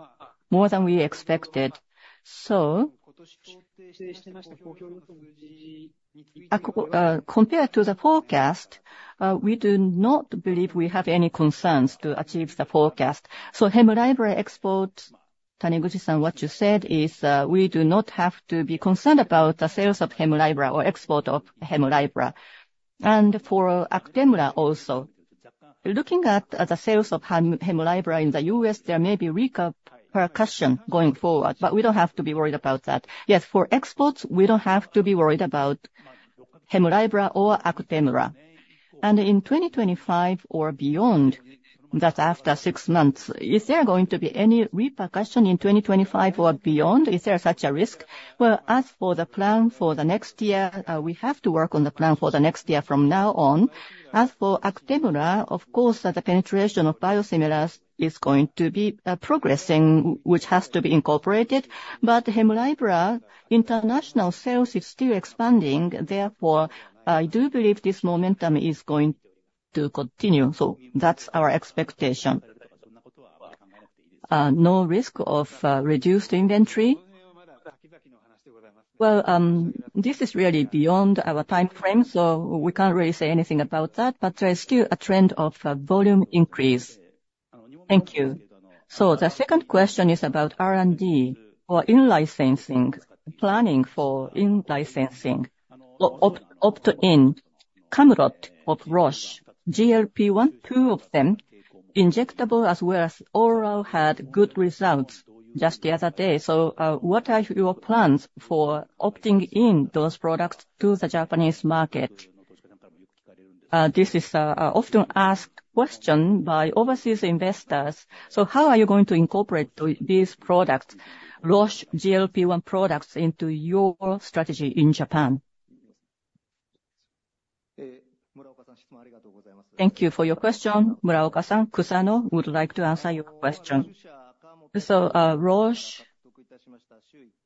more than we expected. So, compared to the forecast, we do not believe we have any concerns to achieve the forecast. So HEMLIBRA exports, Taniguchi-san, what you said is, we do not have to be concerned about the sales of HEMLIBRA or export of HEMLIBRA. For ACTEMRA also, looking at the sales of HEMLIBRA in the US, there may be weaker pressure going forward, but we don't have to be worried about that. Yes, for exports, we don't have to be worried about HEMLIBRA or ACTEMRA. In 2025 or beyond, that's after six months, is there going to be any repercussion in 2025 or beyond? Is there such a risk? Well, as for the plan for the next year, we have to work on the plan for the next year from now on. As for ACTEMRA, of course, the penetration of biosimilars is going to be progressing, which has to be incorporated. But HEMLIBRA, international sales is still expanding, therefore, I do believe this momentum is going to continue. So that's our expectation. No risk of reduced inventory? Well, this is really beyond our time frame, so we can't really say anything about that, but there is still a trend of volume increase. Thank you. So the second question is about R&D or in-licensing, planning for in-licensing. Opt in, Carmot of Roche, GLP-1, two of them, injectable as well as oral, had good results just the other day. So, what are your plans for opting in those products to the Japanese market? This is an often asked question by overseas investors. So how are you going to incorporate these products, Roche GLP-1 products, into your strategy in Japan? Thank you for your question, Muraoka-san. Kusano would like to answer your question. So, Roche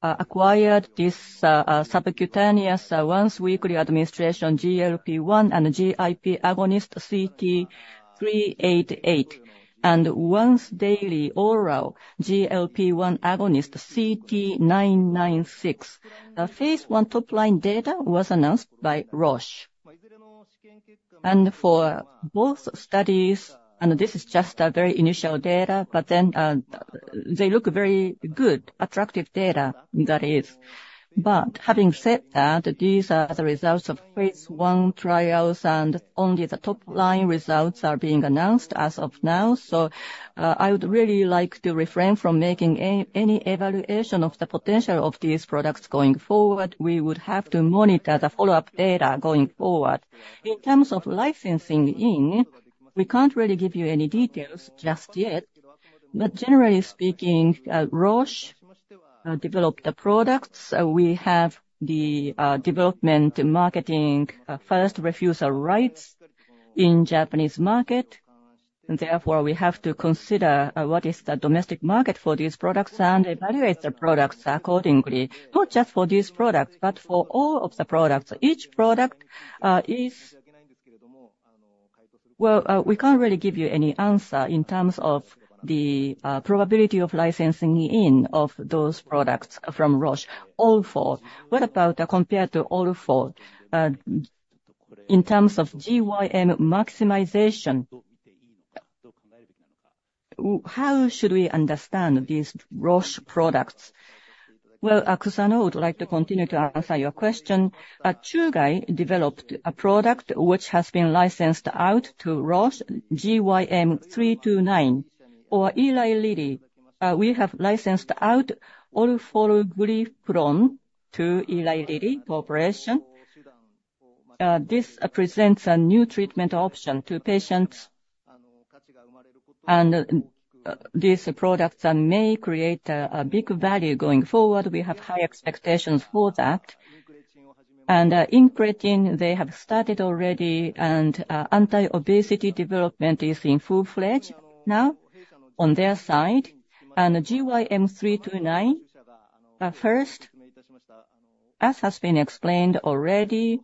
acquired this subcutaneous once-weekly administration GLP-1 and GIP agonist, CT-388, and once-daily oral GLP-1 agonist, CT-996. The phase I top-line data was announced by Roche. And for both studies, and this is just a very initial data, but they look very good, attractive data, that is. But having said that, these are the results of phase 1 trials, and only the top-line results are being announced as of now. So, I would really like to refrain from making any evaluation of the potential of these products going forward. We would have to monitor the follow-up data going forward. In terms of licensing in, we can't really give you any details just yet. But generally speaking, Roche developed the products. We have the development and marketing first refusal rights in Japanese market. And therefore, we have to consider what is the domestic market for these products and evaluate the products accordingly. Not just for these products, but for all of the products. Each product is... Well, we can't really give you any answer in terms of the probability of licensing in of those products from Roche. orforglipron, what about compared to orforglipron? In terms of GYM maximization, how should we understand these Roche products? Well, Kusano would like to continue to answer your question. Chugai developed a product which has been licensed out to Roche, GYM329. For Eli Lilly and Company, we have licensed out orforglipron to Eli Lilly and Company. This presents a new treatment option to patients, and these products may create a big value going forward. We have high expectations for that. Incretin, they have started already, and anti-obesity development is in full-fledged now on their side. GYM329, first, as has been explained already,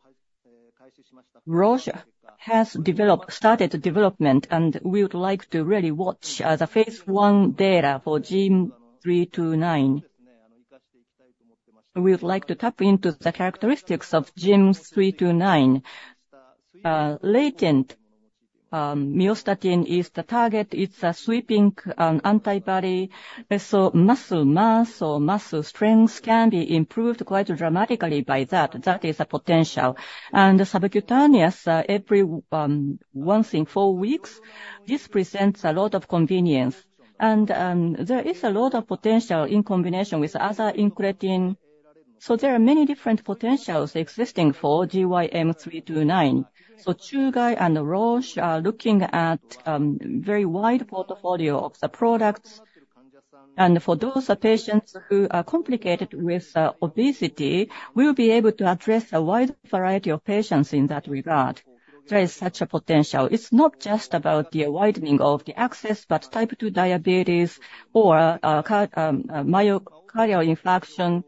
Roche has started development, and we would like to really watch the phase one data for GYM329. We would like to tap into the characteristics of GYM329. Latent myostatin is the target. It's a sweeping antibody, and so muscle mass or muscle strength can be improved quite dramatically by that. That is a potential. And the subcutaneous every once in four weeks, this presents a lot of convenience. And there is a lot of potential in combination with other incretin. So there are many different potentials existing for GYM329. So Chugai and Roche are looking at very wide portfolio of the products. And for those patients who are complicated with obesity, we'll be able to address a wide variety of patients in that regard. There is such a potential. It's not just about the widening of the access, but type two diabetes or myocardial infarction,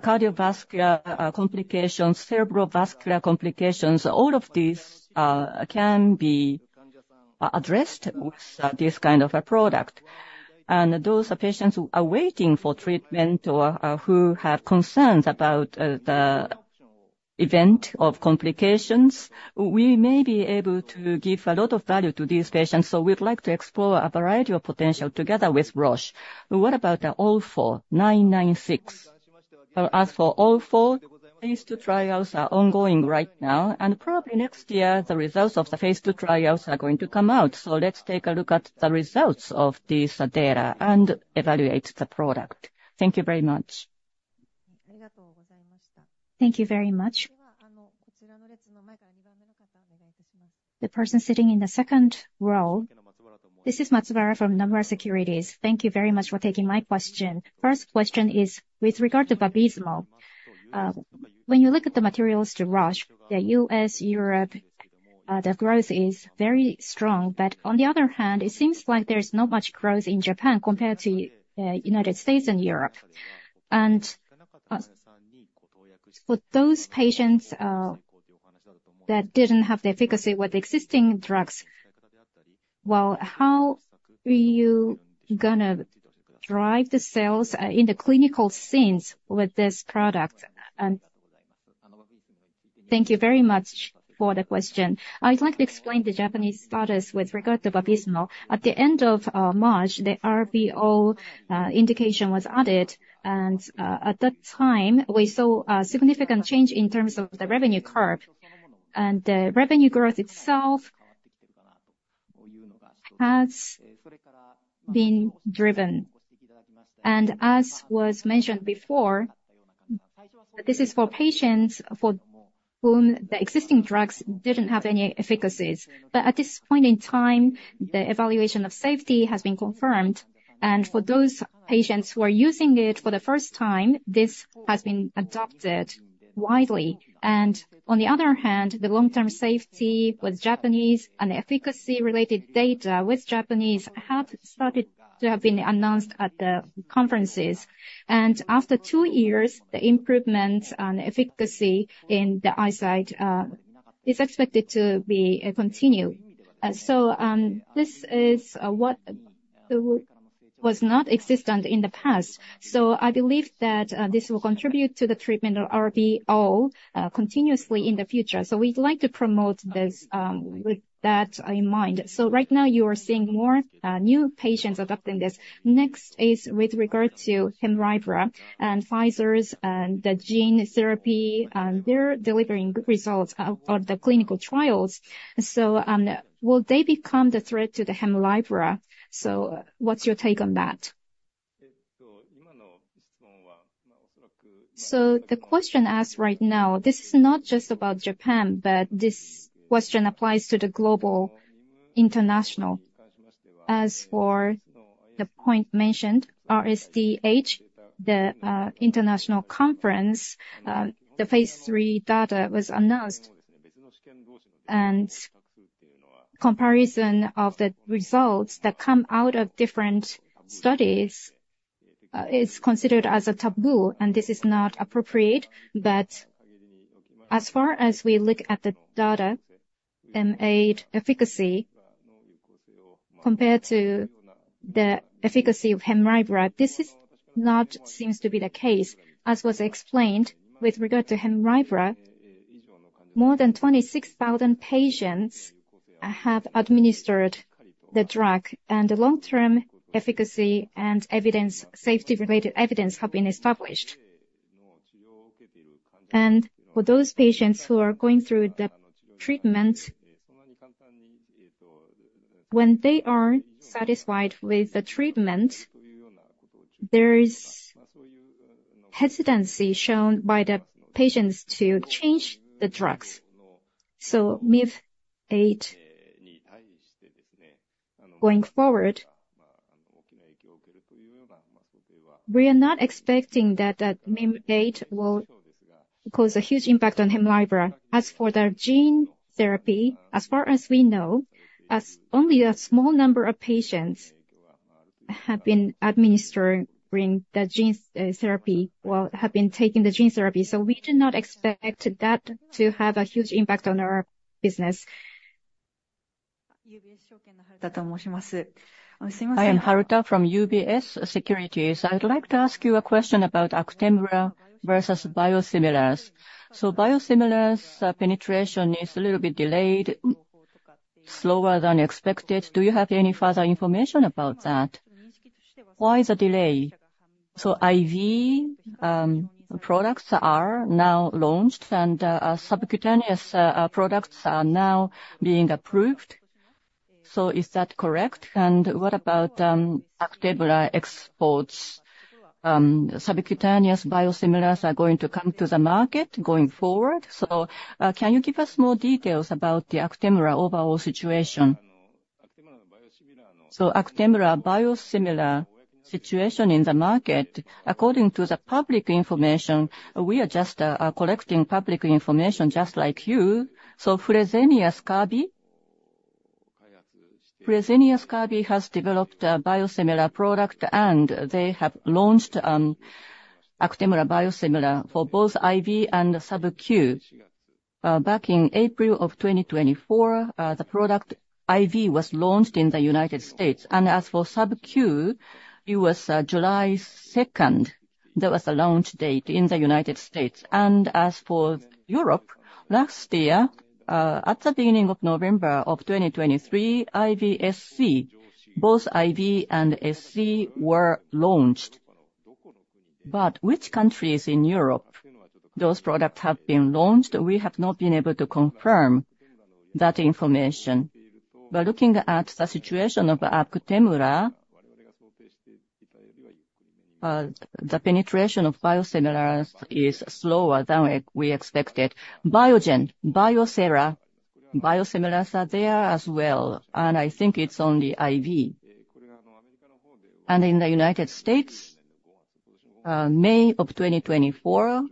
cardiovascular complications, cerebral vascular complications, all of these can be addressed with this kind of a product. Those patients who are waiting for treatment or, who have concerns about, the event of complications, we may be able to give a lot of value to these patients. So we'd like to explore a variety of potential together with Roche. What about the orforglipron 996? Well, as for orforglipron, phase 2 trials are ongoing right now, and probably next year, the results of the phase 2 trials are going to come out. So let's take a look at the results of this data and evaluate the product. Thank you very much. Thank you very much. The person sitting in the second row. This is Matsubara from Nomura Securities. Thank you very much for taking my question. First question is with regard to VABYSMO. When you look at the materials to Roche, the U.S., Europe, the growth is very strong. But on the other hand, it seems like there is not much growth in Japan compared to, United States and Europe. And, for those patients, that didn't have the efficacy with the existing drugs, well, how are you gonna drive the sales, in the clinical scenes with this product? Thank you very much for the question. I'd like to explain the Japanese status with regard to VABYSMO. At the end of March, the RVO indication was added, and, at that time, we saw a significant change in terms of the revenue curve. The revenue growth itself has been driven. As was mentioned before, this is for patients for whom the existing drugs didn't have any efficacies. But at this point in time, the evaluation of safety has been confirmed. For those patients who are using it for the first time, this has been adopted widely. On the other hand, the long-term safety with Japanese and efficacy-related data with Japanese have started to have been announced at the conferences. After two years, the improvement on efficacy in the eyesight is expected to be continue. So, this is what was not existent in the past. So I believe that this will contribute to the treatment of RBO continuously in the future. So we'd like to promote this with that in mind. So right now you are seeing more new patients adopting this. Next is with regard to HEMLIBRA and Pfizer's, and the gene therapy, and they're delivering good results out of the clinical trials. So, will they become the threat to the HEMLIBRA? So what's your take on that? So the question asked right now, this is not just about Japan, but this question applies to the global international. As for the point mentioned, RSDH, the international conference, the phase 3 data was announced. And comparison of the results that come out of different studies is considered as a taboo, and this is not appropriate. But as far as we look at the data, M8 efficacy compared to the efficacy of HEMLIBRA, this is not seems to be the case. As was explained with regard to HEMLIBRA, more than 26,000 patients have administered the drug, and the long-term efficacy and evidence, safety-related evidence, have been established. And for those patients who are going through the treatment, when they are satisfied with the treatment, there is hesitancy shown by the patients to change the drugs. So Mim8, going forward, we are not expecting that that Mim8 will cause a huge impact on HEMLIBRA. As for the gene therapy, as far as we know, as only a small number of patients have been administering the gene, therapy or have been taking the gene therapy, so we do not expect that to have a huge impact on our business. I am Haruta from UBS Securities. I'd like to ask you a question about ACTEMRA versus biosimilars. So biosimilars, penetration is a little bit delayed, slower than expected. Do you have any further information about that? Why the delay? So IV, products are now launched, and, subcutaneous, products are now being approved. So is that correct? And what about, ACTEMRA exports? Subcutaneous biosimilars are going to come to the market going forward. So, can you give us more details about the ACTEMRA overall situation? So ACTEMRA biosimilar situation in the market, according to the public information, we are just, collecting public information just like you. So Fresenius Kabi, Fresenius Kabi has developed a biosimilar product, and they have launched, ACTEMRA biosimilar for both IV and subQ. Back in April of 2024, the product IV was launched in the United States, and as for subQ, it was, July 2nd, that was the launch date in the United States. And as for Europe, last year, at the beginning of November of 2023, IVSC, both IV and SC were launched. But which countries in Europe those products have been launched, we have not been able to confirm that information. But looking at the situation of ACTEMRA, the penetration of biosimilars is slower than we expected. Biogen, Bio-Thera, biosimilars are there as well, and I think it's only IV. In the United States, May of 2024,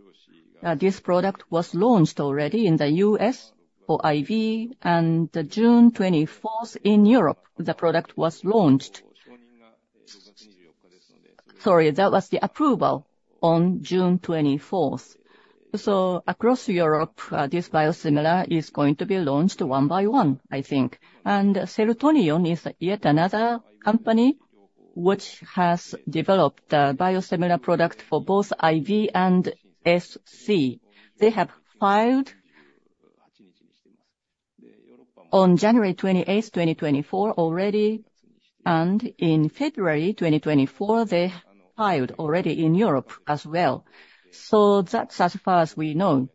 this product was launched already in the US for IV, and June 24 in Europe, the product was launched. Sorry, that was the approval on June 24. So across Europe, this biosimilar is going to be launched one by one, I think. Celltrion is yet another company which has developed a biosimilar product for both IV and SC. They have filed on January 28, 2024 already, and in February 2024, they filed already in Europe as well. So that's as far as we know,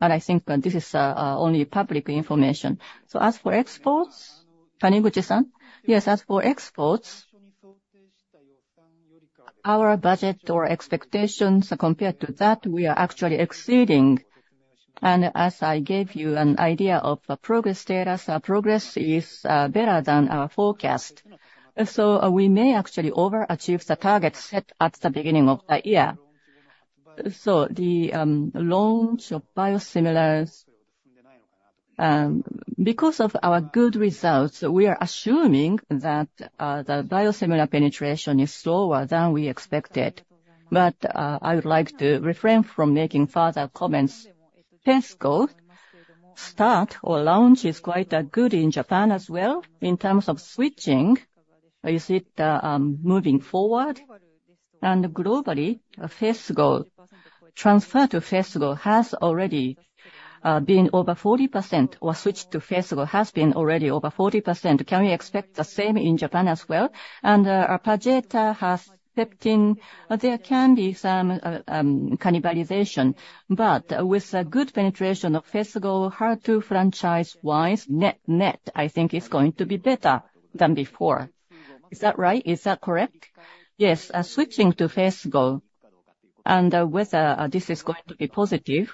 but I think this is only public information. So as for exports, Taniguchi-san? Yes, as for exports, our budget or expectations compared to that, we are actually exceeding. And as I gave you an idea of the progress status, our progress is better than our forecast. So we may actually overachieve the target set at the beginning of the year. So the launch of biosimilars, because of our good results, we are assuming that the biosimilar penetration is slower than we expected. But I would like to refrain from making further comments. PHESGO start or launch is quite good in Japan as well. In terms of switching, you see it moving forward and globally, PHESGO, transfer to PHESGO has already been over 40%, or switch to PHESGO has been already over 40%. Can we expect the same in Japan as well? And Perjeta Herceptin, there can be some cannibalization. But with a good penetration of PHESGO, hard to franchise-wise, net, net, I think it's going to be better than before. Is that right? Is that correct? Yes, switching to PHESGO and whether this is going to be positive.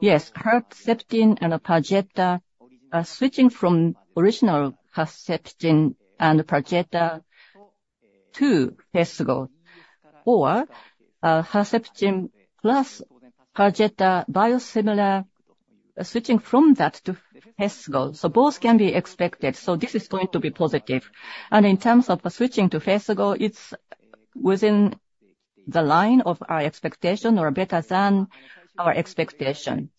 Yes, Herceptin and Perjeta are switching from original Herceptin and Perjeta to PHESGO, or, Herceptin plus Perjeta biosimilar, switching from that to PHESGO. So both can be expected, so this is going to be positive. And in terms of switching to PHESGO, it's within the line of our expectation or better than our expectation,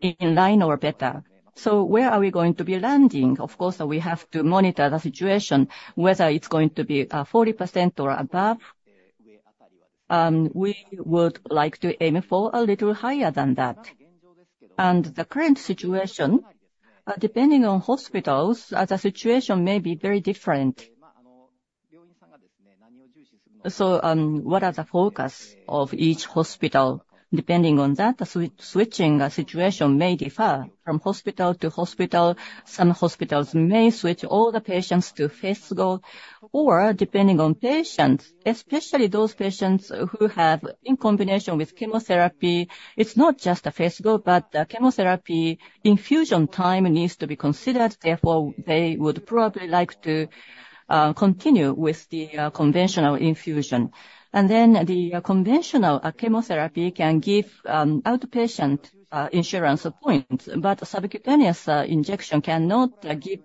in line or better. So where are we going to be landing? Of course, we have to monitor the situation, whether it's going to be, 40% or above. We would like to aim for a little higher than that. The current situation, depending on hospitals, the situation may be very different. So, what are the focus of each hospital? Depending on that, the switching situation may differ from hospital to hospital. Some hospitals may switch all the patients to PHESGO, or depending on patients, especially those patients who have in combination with chemotherapy, it's not just a PHESGO, but the chemotherapy infusion time needs to be considered, therefore, they would probably like to continue with the conventional infusion. And then the conventional chemotherapy can give outpatient insurance points, but the subcutaneous injection cannot give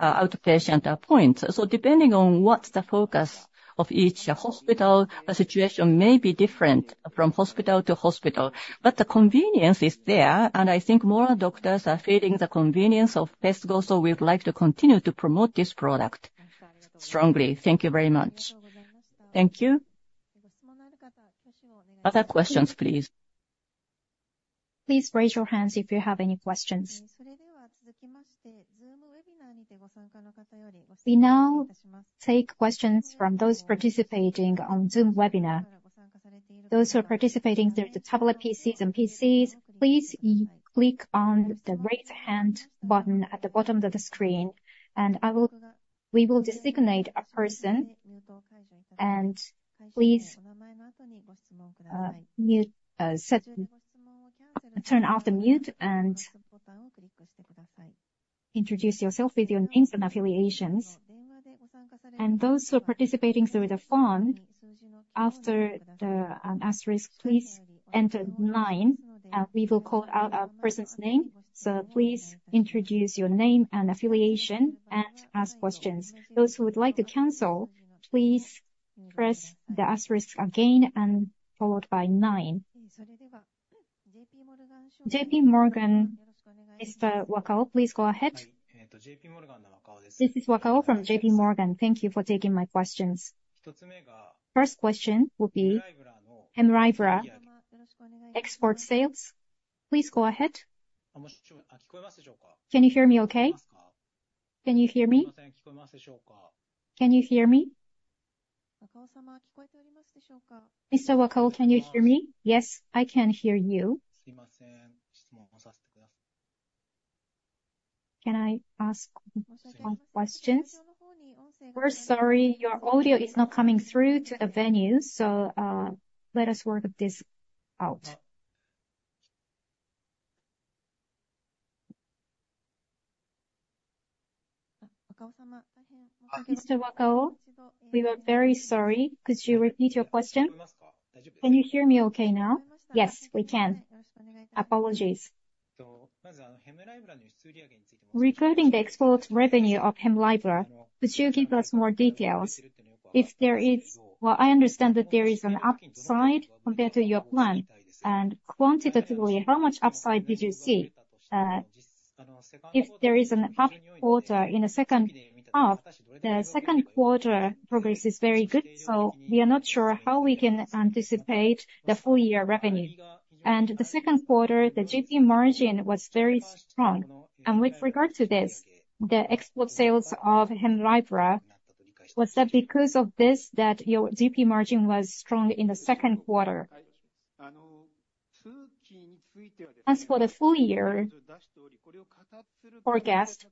outpatient points. So depending on what's the focus of each hospital, the situation may be different from hospital to hospital. But the convenience is there, and I think more doctors are feeling the convenience of PESCO, so we would like to continue to promote this product strongly. Thank you very much. Thank you. Other questions, please. Please raise your hands if you have any questions. We now take questions from those participating on Zoom Webinar. Those who are participating through the tablet PCs and PCs, please click on the raise hand button at the bottom of the screen, and we will designate a person. And please turn off the mute and introduce yourself with your names and affiliations. And those who are participating through the phone, after the asterisk, please enter nine, and we will call out a person's name. So please introduce your name and affiliation, and ask questions. Those who would like to cancel, please press the asterisk again and followed by nine. J.P. Morgan, Mr. Wakao, please go ahead. This is Wakao from J.P. Morgan. Thank you for taking my questions. First question will be HEMLIBRA export sales. Please go ahead. Can you hear me okay? Can you hear me? Can you hear me? Mr. Wakao, can you hear me? Yes, I can hear you. Can I ask my questions? We're sorry, your audio is not coming through to the venue, so, let us work this out. Mr. Wakao, we were very sorry. Could you repeat your question? Can you hear me okay now? Yes, we can. Apologies. Regarding the export revenue of HEMLIBRA, could you give us more details? If there is... Well, I understand that there is an upside compared to your plan, and quantitatively, how much upside did you see? If there is an up quarter in the second half, the second quarter progress is very good, so we are not sure how we can anticipate the full-year revenue. And the second quarter, the GP margin was very strong. With regard to this, the export sales of HEMLIBRA, was that because of this that your GP margin was strong in the second quarter? As for the full year forecast,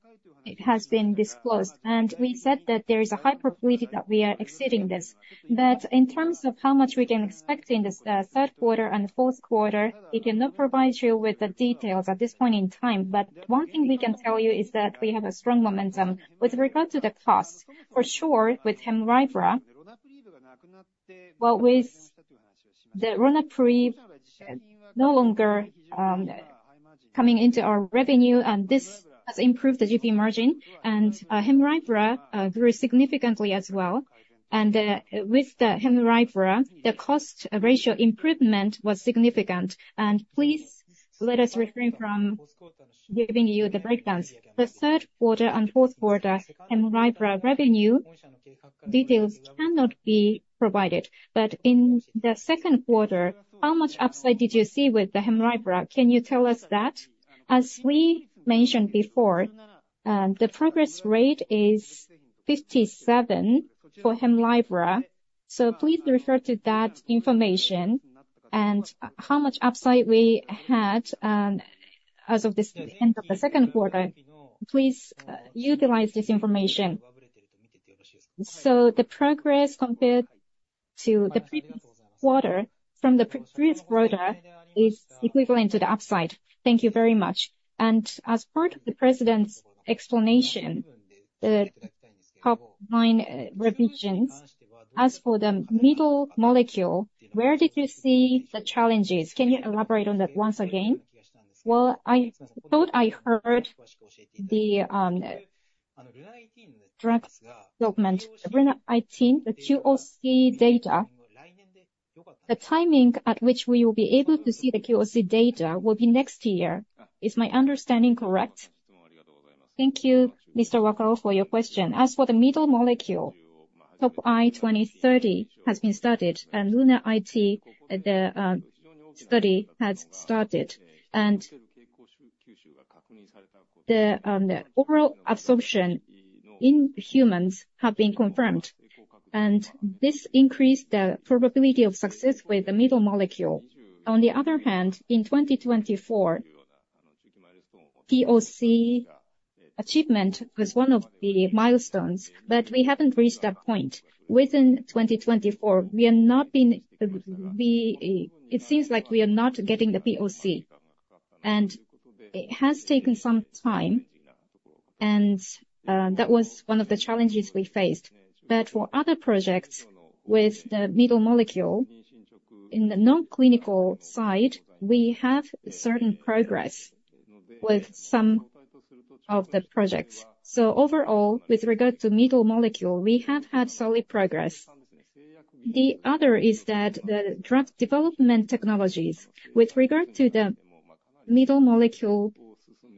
it has been disclosed, and we said that there is a high probability that we are exceeding this. But in terms of how much we can expect in this third quarter and fourth quarter, we cannot provide you with the details at this point in time. But one thing we can tell you is that we have a strong momentum. With regard to the cost, for sure, with HEMLIBRA, well, with the RONAPREVE no longer coming into our revenue, and this has improved the GP margin, and HEMLIBRA grew significantly as well. And with the HEMLIBRA, the cost ratio improvement was significant. And please, let us refrain from giving you the breakdowns. The third quarter and fourth quarter HEMLIBRA revenue details cannot be provided. But in the second quarter, how much upside did you see with the HEMLIBRA? Can you tell us that? As we mentioned before, the progress rate is 57 for HEMLIBRA, so please refer to that information. And how much upside we had, as of this end of the second quarter, please, utilize this information. So the progress compared to the previous quarter, from the previous quarter, is equivalent to the upside. Thank you very much. And as part of the president's explanation, the top line, revisions, as for the middle molecule, where did you see the challenges? Can you elaborate on that once again? Well, I thought I heard the drug development, LUNA18, the POC data, the timing at which we will be able to see the POC data will be next year. Is my understanding correct? Thank you, Mr. Wakao, for your question. As for the middle molecule, TOP I 2030 has been started, and LUNA18, the study has started. And the oral absorption in humans have been confirmed, and this increased the probability of success with the middle molecule. On the other hand, in 2024, POC achievement was one of the milestones, but we haven't reached that point. Within 2024, we are not being, we -- it seems like we are not getting the POC. And it has taken some time, and that was one of the challenges we faced. For other projects, with the middle molecule, in the non-clinical side, we have certain progress with some of the projects. So overall, with regard to middle molecule, we have had solid progress. The other is that the drug development technologies, with regard to the middle molecule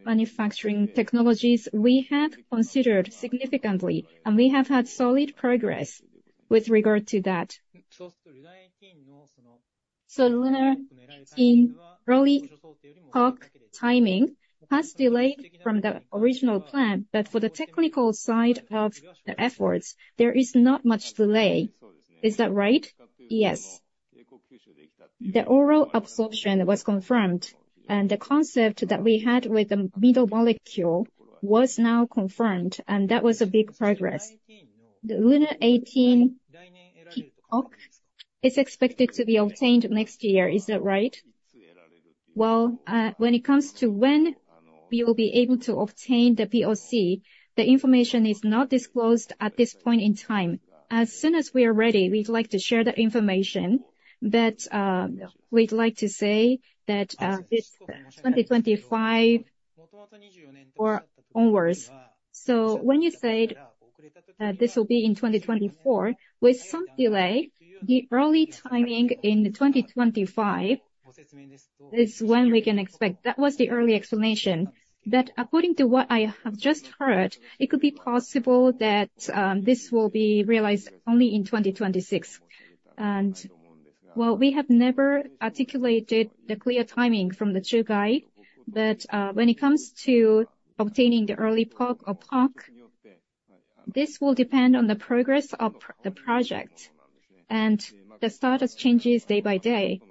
manufacturing technologies, we have considered significantly, and we have had solid progress with regard to that. So LUNA, in early POC timing, has delayed from the original plan, but for the technical side of the efforts, there is not much delay. Is that right? Yes. The oral absorption was confirmed, and the concept that we had with the middle molecule was now confirmed, and that was a big progress. The LUNA18 POC is expected to be obtained next year, is that right? Well, when it comes to when we will be able to obtain the POC, the information is not disclosed at this point in time. As soon as we are ready, we'd like to share the information, but, we'd like to say that, this 2025 or onwards. So when you said that this will be in 2024, with some delay, the early timing in 2025 is when we can expect. That was the early explanation. But according to what I have just heard, it could be possible that, this will be realized only in 2026. And, well, we have never articulated the clear timing from the Chugai. But, when it comes to obtaining the early POC or POC, this will depend on the progress of the project, and the status changes day by day.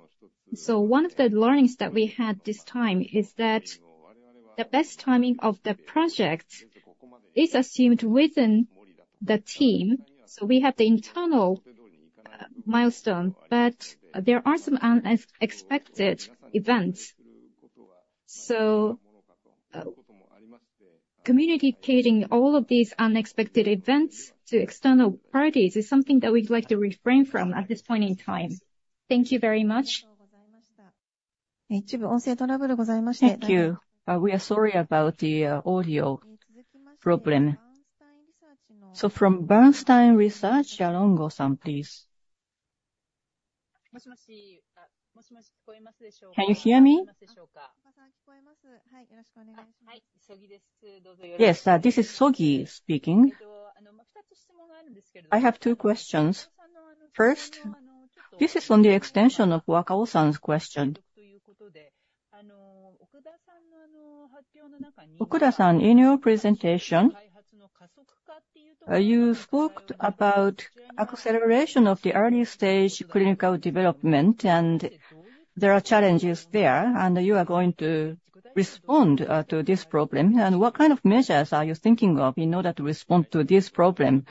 So one of the learnings that we had this time is that the best timing of the project is assumed within the team, so we have the internal milestone. But there are some unexpected events. So, communicating all of these unexpected events to external parties is something that we'd like to refrain from at this point in time. Thank you very much. Thank you. We are sorry about the audio problem. So from Bernstein Research, Miki Sogi, please. Can you hear me? Yes, this is Sogi speaking. I have two questions. First, this is on the extension of Wakao-san's question. Okuda-san, in your presentation, you spoke about acceleration of the early stage clinical development, and there are challenges there, and you are going to respond to this problem. What kind of measures are you thinking of in order to respond to this problem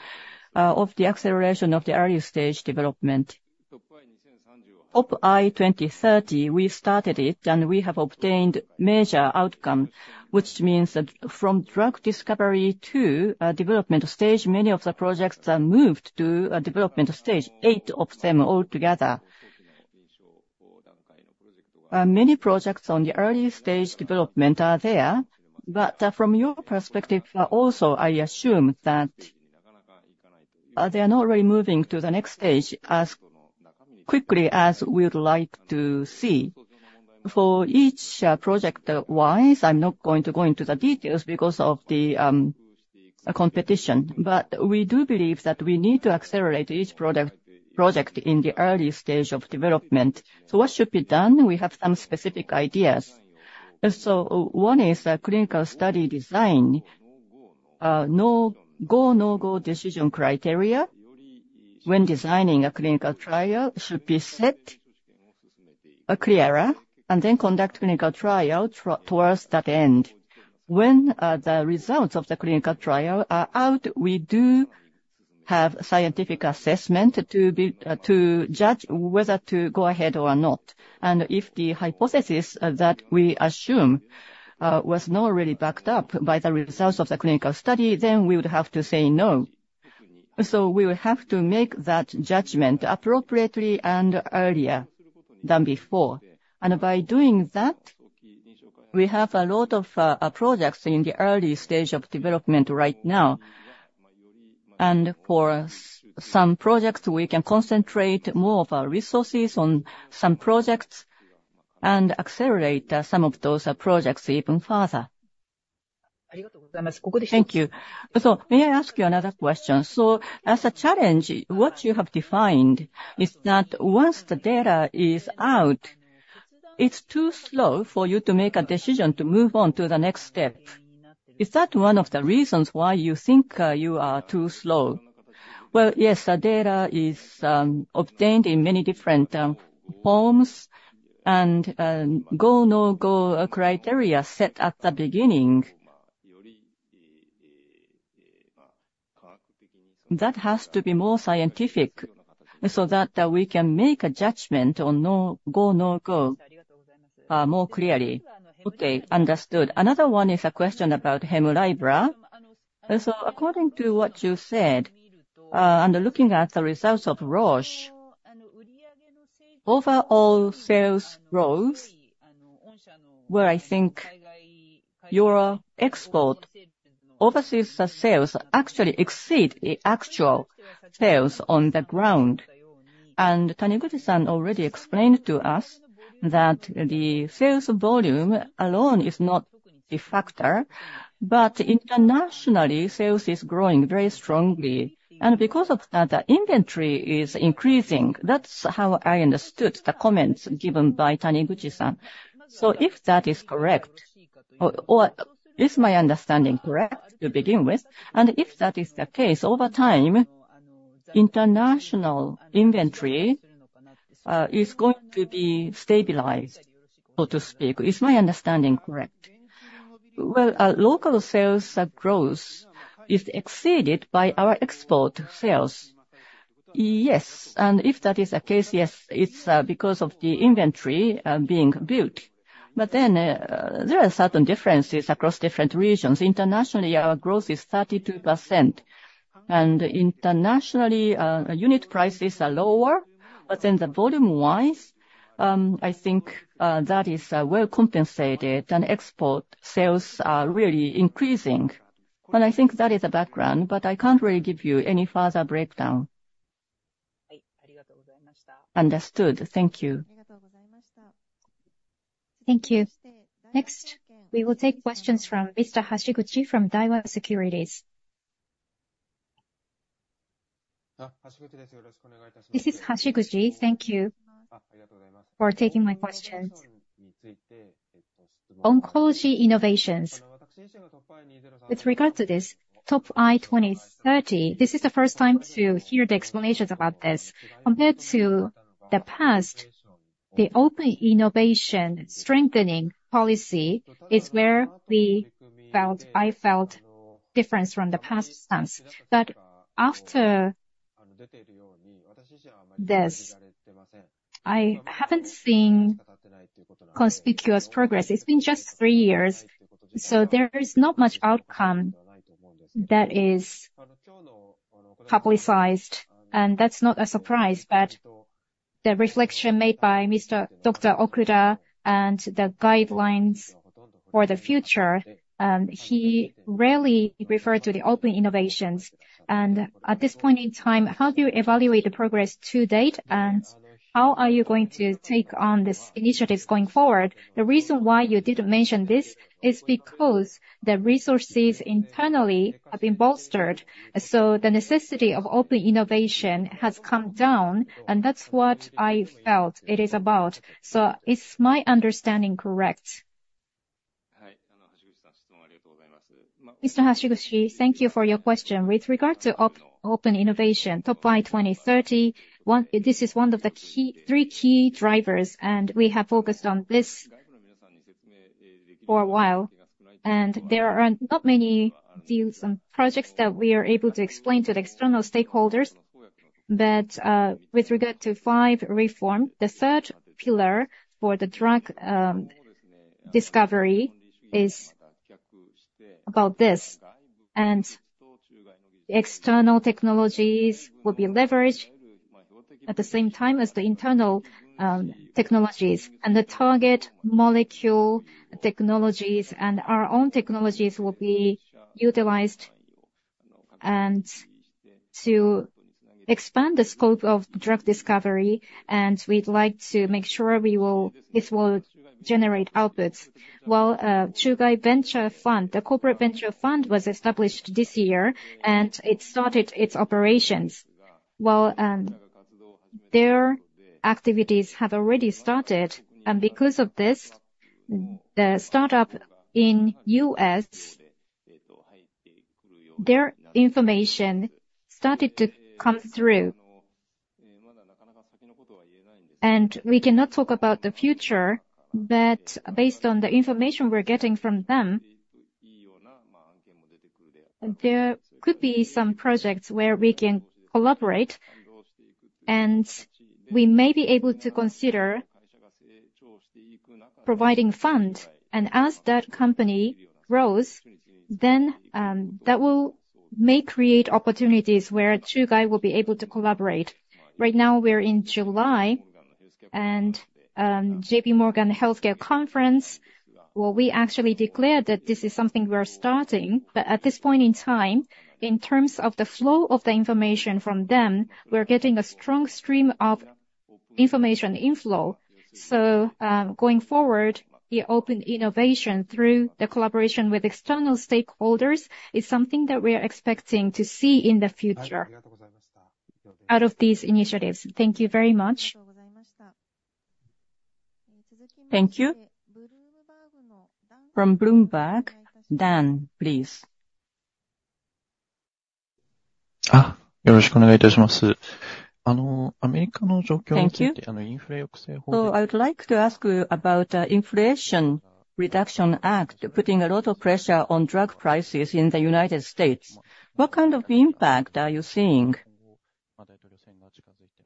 of the acceleration of the early stage development? TOP I 2030, we started it, and we have obtained major outcome, which means that from drug discovery to development stage, many of the projects are moved to a development stage, 8 of them all together. Many projects on the early stage development are there, but from your perspective, also, I assume that-... they are not really moving to the next stage as quickly as we would like to see. For each project-wise, I'm not going to go into the details because of the competition, but we do believe that we need to accelerate each project in the early stage of development. So what should be done? We have some specific ideas. And so one is a clinical study design. No-go decision criteria when designing a clinical trial should be set clearer, and then conduct clinical trial towards that end. When the results of the clinical trial are out, we do have scientific assessment to be to judge whether to go ahead or not, and if the hypothesis that we assume was not really backed up by the results of the clinical study, then we would have to say no. So we will have to make that judgment appropriately and earlier than before. And by doing that, we have a lot of projects in the early stage of development right now. And for some projects, we can concentrate more of our resources on some projects and accelerate some of those projects even further. Thank you. So may I ask you another question? So as a challenge, what you have defined is that once the data is out, it's too slow for you to make a decision to move on to the next step. Is that one of the reasons why you think you are too slow? Well, yes, the data is obtained in many different forms, and go, no-go criteria set at the beginning. That has to be more scientific so that we can make a judgment on no-go, no-go more clearly. Okay, understood. Another one is a question about HEMLIBRA. And so according to what you said, and looking at the results of Roche, overall sales growth, where I think your export overseas sales actually exceed the actual sales on the ground. And Taniguchi-san already explained to us that the sales volume alone is not the factor, but internationally, sales is growing very strongly. And because of that, the inventory is increasing. That's how I understood the comments given by Taniguchi-san. So if that is correct, or is my understanding correct to begin with? And if that is the case, over time, international inventory is going to be stabilized, so to speak. Is my understanding correct? Well, local sales growth is exceeded by our export sales. Yes, and if that is the case, yes, it's because of the inventory being built. But then, there are certain differences across different regions. Internationally, our growth is 32%. And internationally, unit prices are lower, but then the volume-wise, I think that is well compensated, and export sales are really increasing. I think that is the background, but I can't really give you any further breakdown. Understood. Thank you. Thank you. Next, we will take questions from Mr. Hashiguchi from Daiwa Securities. This is Hashiguchi. Thank you for taking my questions. Oncology innovations. With regard to this, TOP I 2030, this is the first time to hear the explanations about this. Compared to the past, the open innovation strengthening policy is where we felt—I felt difference from the past times. But after this, I haven't seen conspicuous progress. It's been just three years, so there is not much outcome that is publicized, and that's not a surprise. But the reflection made by Mr.—Dr. Okuda and the guidelines for the future, he rarely referred to the open innovations. And at this point in time, how do you evaluate the progress to date, and how are you going to take on these initiatives going forward? The reason why you didn't mention this is because the resources internally have been bolstered, so the necessity of open innovation has come down, and that's what I felt it is about. So is my understanding correct? Mr. Hashiguchi, thank you for your question. With regard to open innovation, TOP I 2030, this is one of the three key drivers, and we have focused on this for a while. And there are not many deals and projects that we are able to explain to the external stakeholders, but with regard to five reform, the third pillar for the drug discovery is about this. And external technologies will be leveraged-... at the same time as the internal, technologies, and the target molecule technologies and our own technologies will be utilized. And to expand the scope of drug discovery, and we'd like to make sure this will generate outputs. While, Chugai Venture Fund, the corporate venture fund, was established this year, and it started its operations. Well, their activities have already started, and because of this, the startup in U.S., their information started to come through. And we cannot talk about the future, but based on the information we're getting from them, there could be some projects where we can collaborate, and we may be able to consider providing funds. And as that company grows, then, that will may create opportunities where Chugai will be able to collaborate. Right now, we're in July, and J.P. Morgan Healthcare Conference, where we actually declared that this is something we are starting. But at this point in time, in terms of the flow of the information from them, we're getting a strong stream of information inflow. So, going forward, the open innovation through the collaboration with external stakeholders is something that we are expecting to see in the future out of these initiatives. Thank you very much. Thank you. From Bloomberg, Dan, please. Thank you. So I would like to ask you about, Inflation Reduction Act, putting a lot of pressure on drug prices in the United States. What kind of impact are you seeing?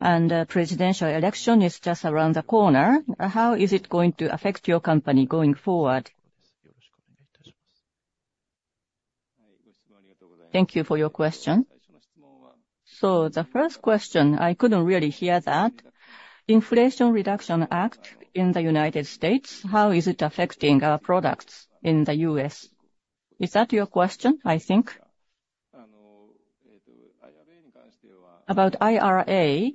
And, presidential election is just around the corner. How is it going to affect your company going forward? Thank you for your question. So the first question, I couldn't really hear that. Inflation Reduction Act in the United States, how is it affecting our products in the U.S.? Is that your question, I think? About IRA,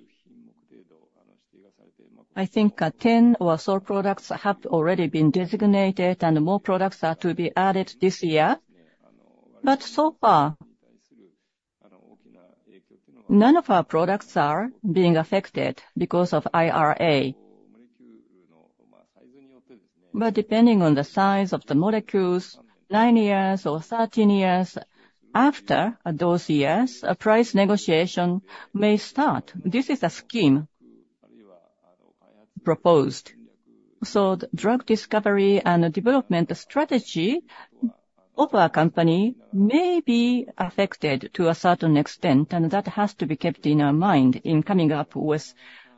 I think, 10 of our products have already been designated, and more products are to be added this year. But so far, none of our products are being affected because of IRA. But depending on the size of the molecules, 9 years or 13 years after those years, a price negotiation may start. This is a scheme proposed. So the drug discovery and development strategy of our company may be affected to a certain extent, and that has to be kept in our mind in coming up with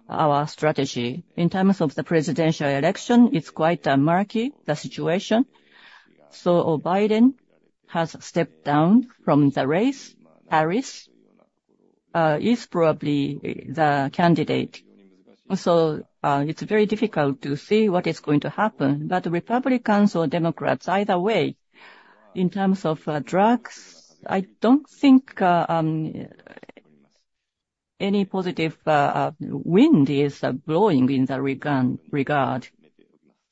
our strategy. In terms of the presidential election, it's quite murky, the situation. So Biden has stepped down from the race. Harris is probably the candidate. So it's very difficult to see what is going to happen. But Republicans or Democrats, either way, in terms of drugs, I don't think any positive wind is blowing in the regard.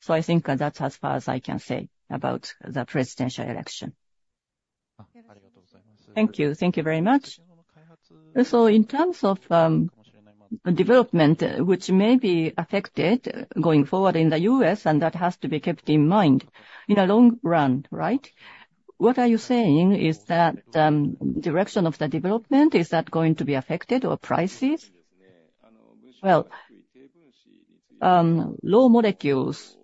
So I think that's as far as I can say about the presidential election. Thank you. Thank you very much. So in terms of development, which may be affected going forward in the US, and that has to be kept in mind in the long run, right? What are you saying is that, direction of the development, is that going to be affected, or prices? Well, small molecules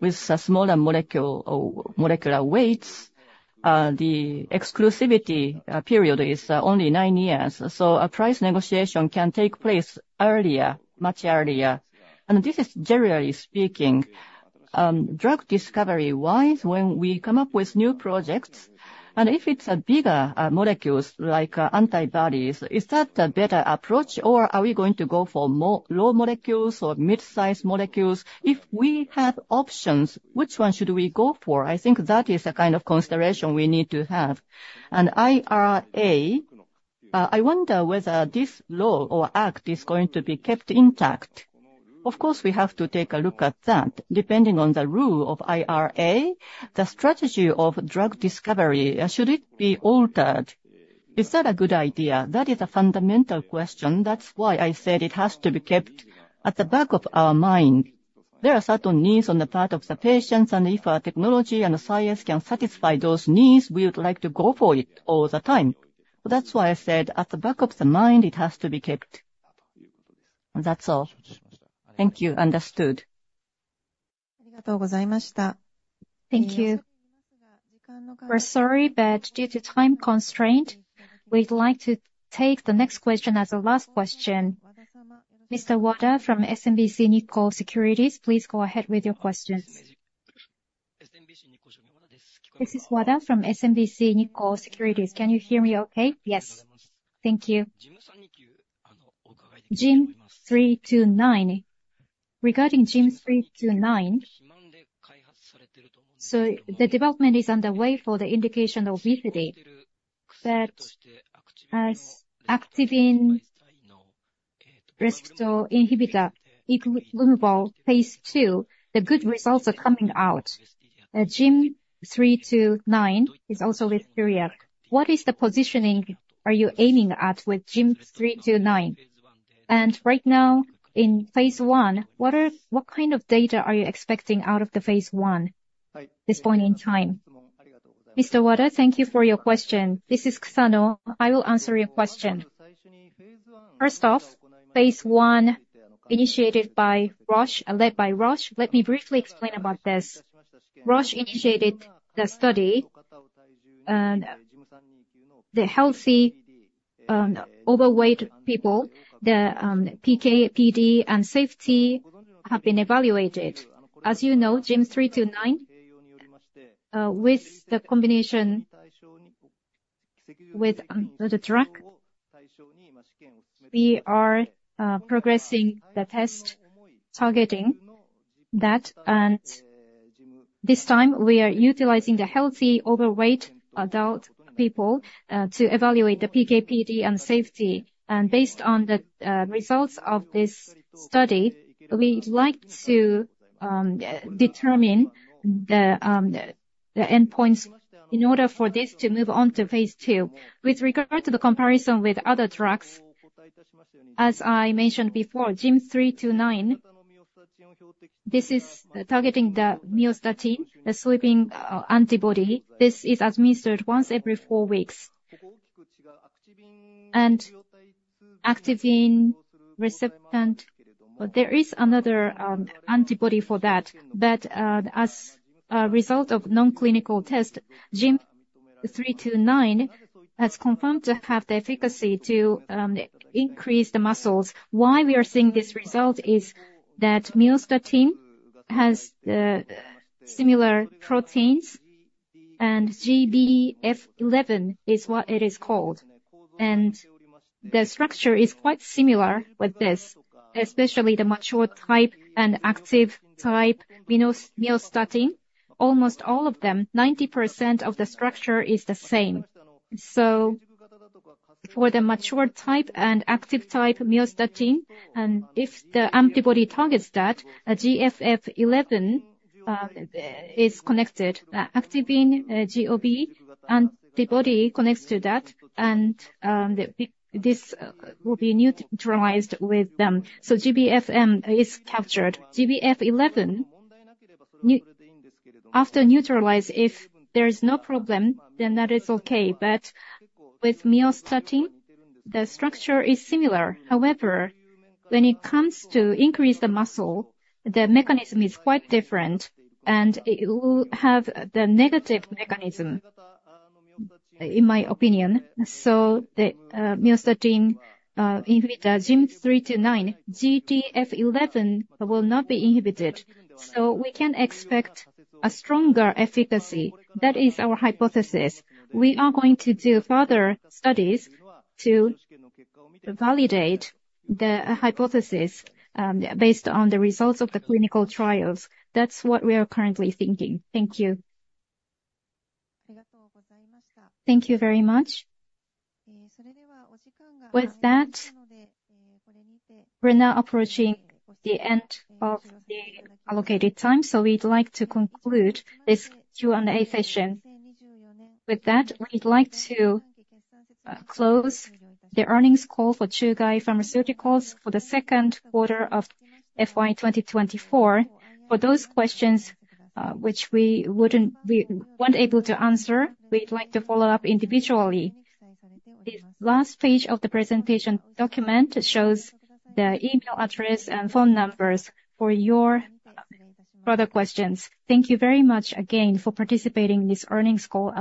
with a smaller molecule or molecular weights, the exclusivity period is only nine years, so a price negotiation can take place earlier, much earlier. And this is generally speaking, drug discovery-wise, when we come up with new projects, and if it's a bigger molecules like antibodies, is that a better approach, or are we going to go for small molecules or mid-sized molecules? If we have options, which one should we go for? I think that is a kind of consideration we need to have. And IRA, I wonder whether this law or act is going to be kept intact. Of course, we have to take a look at that. Depending on the rule of IRA, the strategy of drug discovery, should it be altered? Is that a good idea? That is a fundamental question. That's why I said it has to be kept at the back of our mind. There are certain needs on the part of the patients, and if our technology and science can satisfy those needs, we would like to go for it all the time. That's why I said, at the back of the mind, it has to be kept. That's all. Thank you. Understood. Thank you. We're sorry, but due to time constraint, we'd like to take the next question as the last question. Mr. Wada from SMBC Nikko Securities, please go ahead with your questions. This is Wada from SMBC Nikko Securities. Can you hear me okay? Yes. Thank you. GYM329. Regarding GYM329, so the development is underway for the indication of obesity, but as activin receptor inhibitor, equal placebo Phase II, the good results are coming out. GYM329 is also with period. What is the positioning are you aiming at with GYM329? And right now, in phase I, what kind of data are you expecting out of the phase I at this point in time? Mr. Wada, thank you for your question. This is Kusano. I will answer your question. First off, phase I, initiated by Roche, led by Roche. Let me briefly explain about this. Roche initiated the study, and the healthy, overweight people, the, PK, PD, and safety have been evaluated. As you know, GYM329 with the combination with the drug, we are progressing the test, targeting that. And this time, we are utilizing the healthy, overweight adult people to evaluate the PK, PD, and safety. And based on the results of this study, we'd like to determine the endpoints in order for this to move on to phase II. With regard to the comparison with other drugs, as I mentioned before, GYM329, this is targeting the myostatin, the sweeping antibody. This is administered once every four weeks. And activin receptor. But there is another antibody for that. But as a result of non-clinical test, GYM329 has confirmed to have the efficacy to increase the muscles. Why we are seeing this result is that myostatin has similar proteins, and GDF11 is what it is called. The structure is quite similar with this, especially the mature type and active type myostatin. Almost all of them, 90% of the structure is the same. So for the mature type and active type myostatin, and if the antibody targets that, a GDF11 is connected. The activin GDF antibody connects to that, and this will be neutralized with them. So GDF11 is captured. GDF11, after neutralize, if there is no problem, then that is okay. But with myostatin, the structure is similar. However, when it comes to increase the muscle, the mechanism is quite different, and it will have the negative mechanism, in my opinion. So the myostatin inhibitor, GYM329, GDF11 will not be inhibited, so we can expect a stronger efficacy. That is our hypothesis. We are going to do further studies to validate the hypothesis, based on the results of the clinical trials. That's what we are currently thinking. Thank you. Thank you very much. With that, we're now approaching the end of the allocated time, so we'd like to conclude this Q&A session. With that, we'd like to close the earnings call for Chugai Pharmaceuticals for the second quarter of FY2024. For those questions which we weren't able to answer, we'd like to follow up individually. The last page of the presentation document shows the email address and phone numbers for your further questions. Thank you very much again for participating in this earnings call.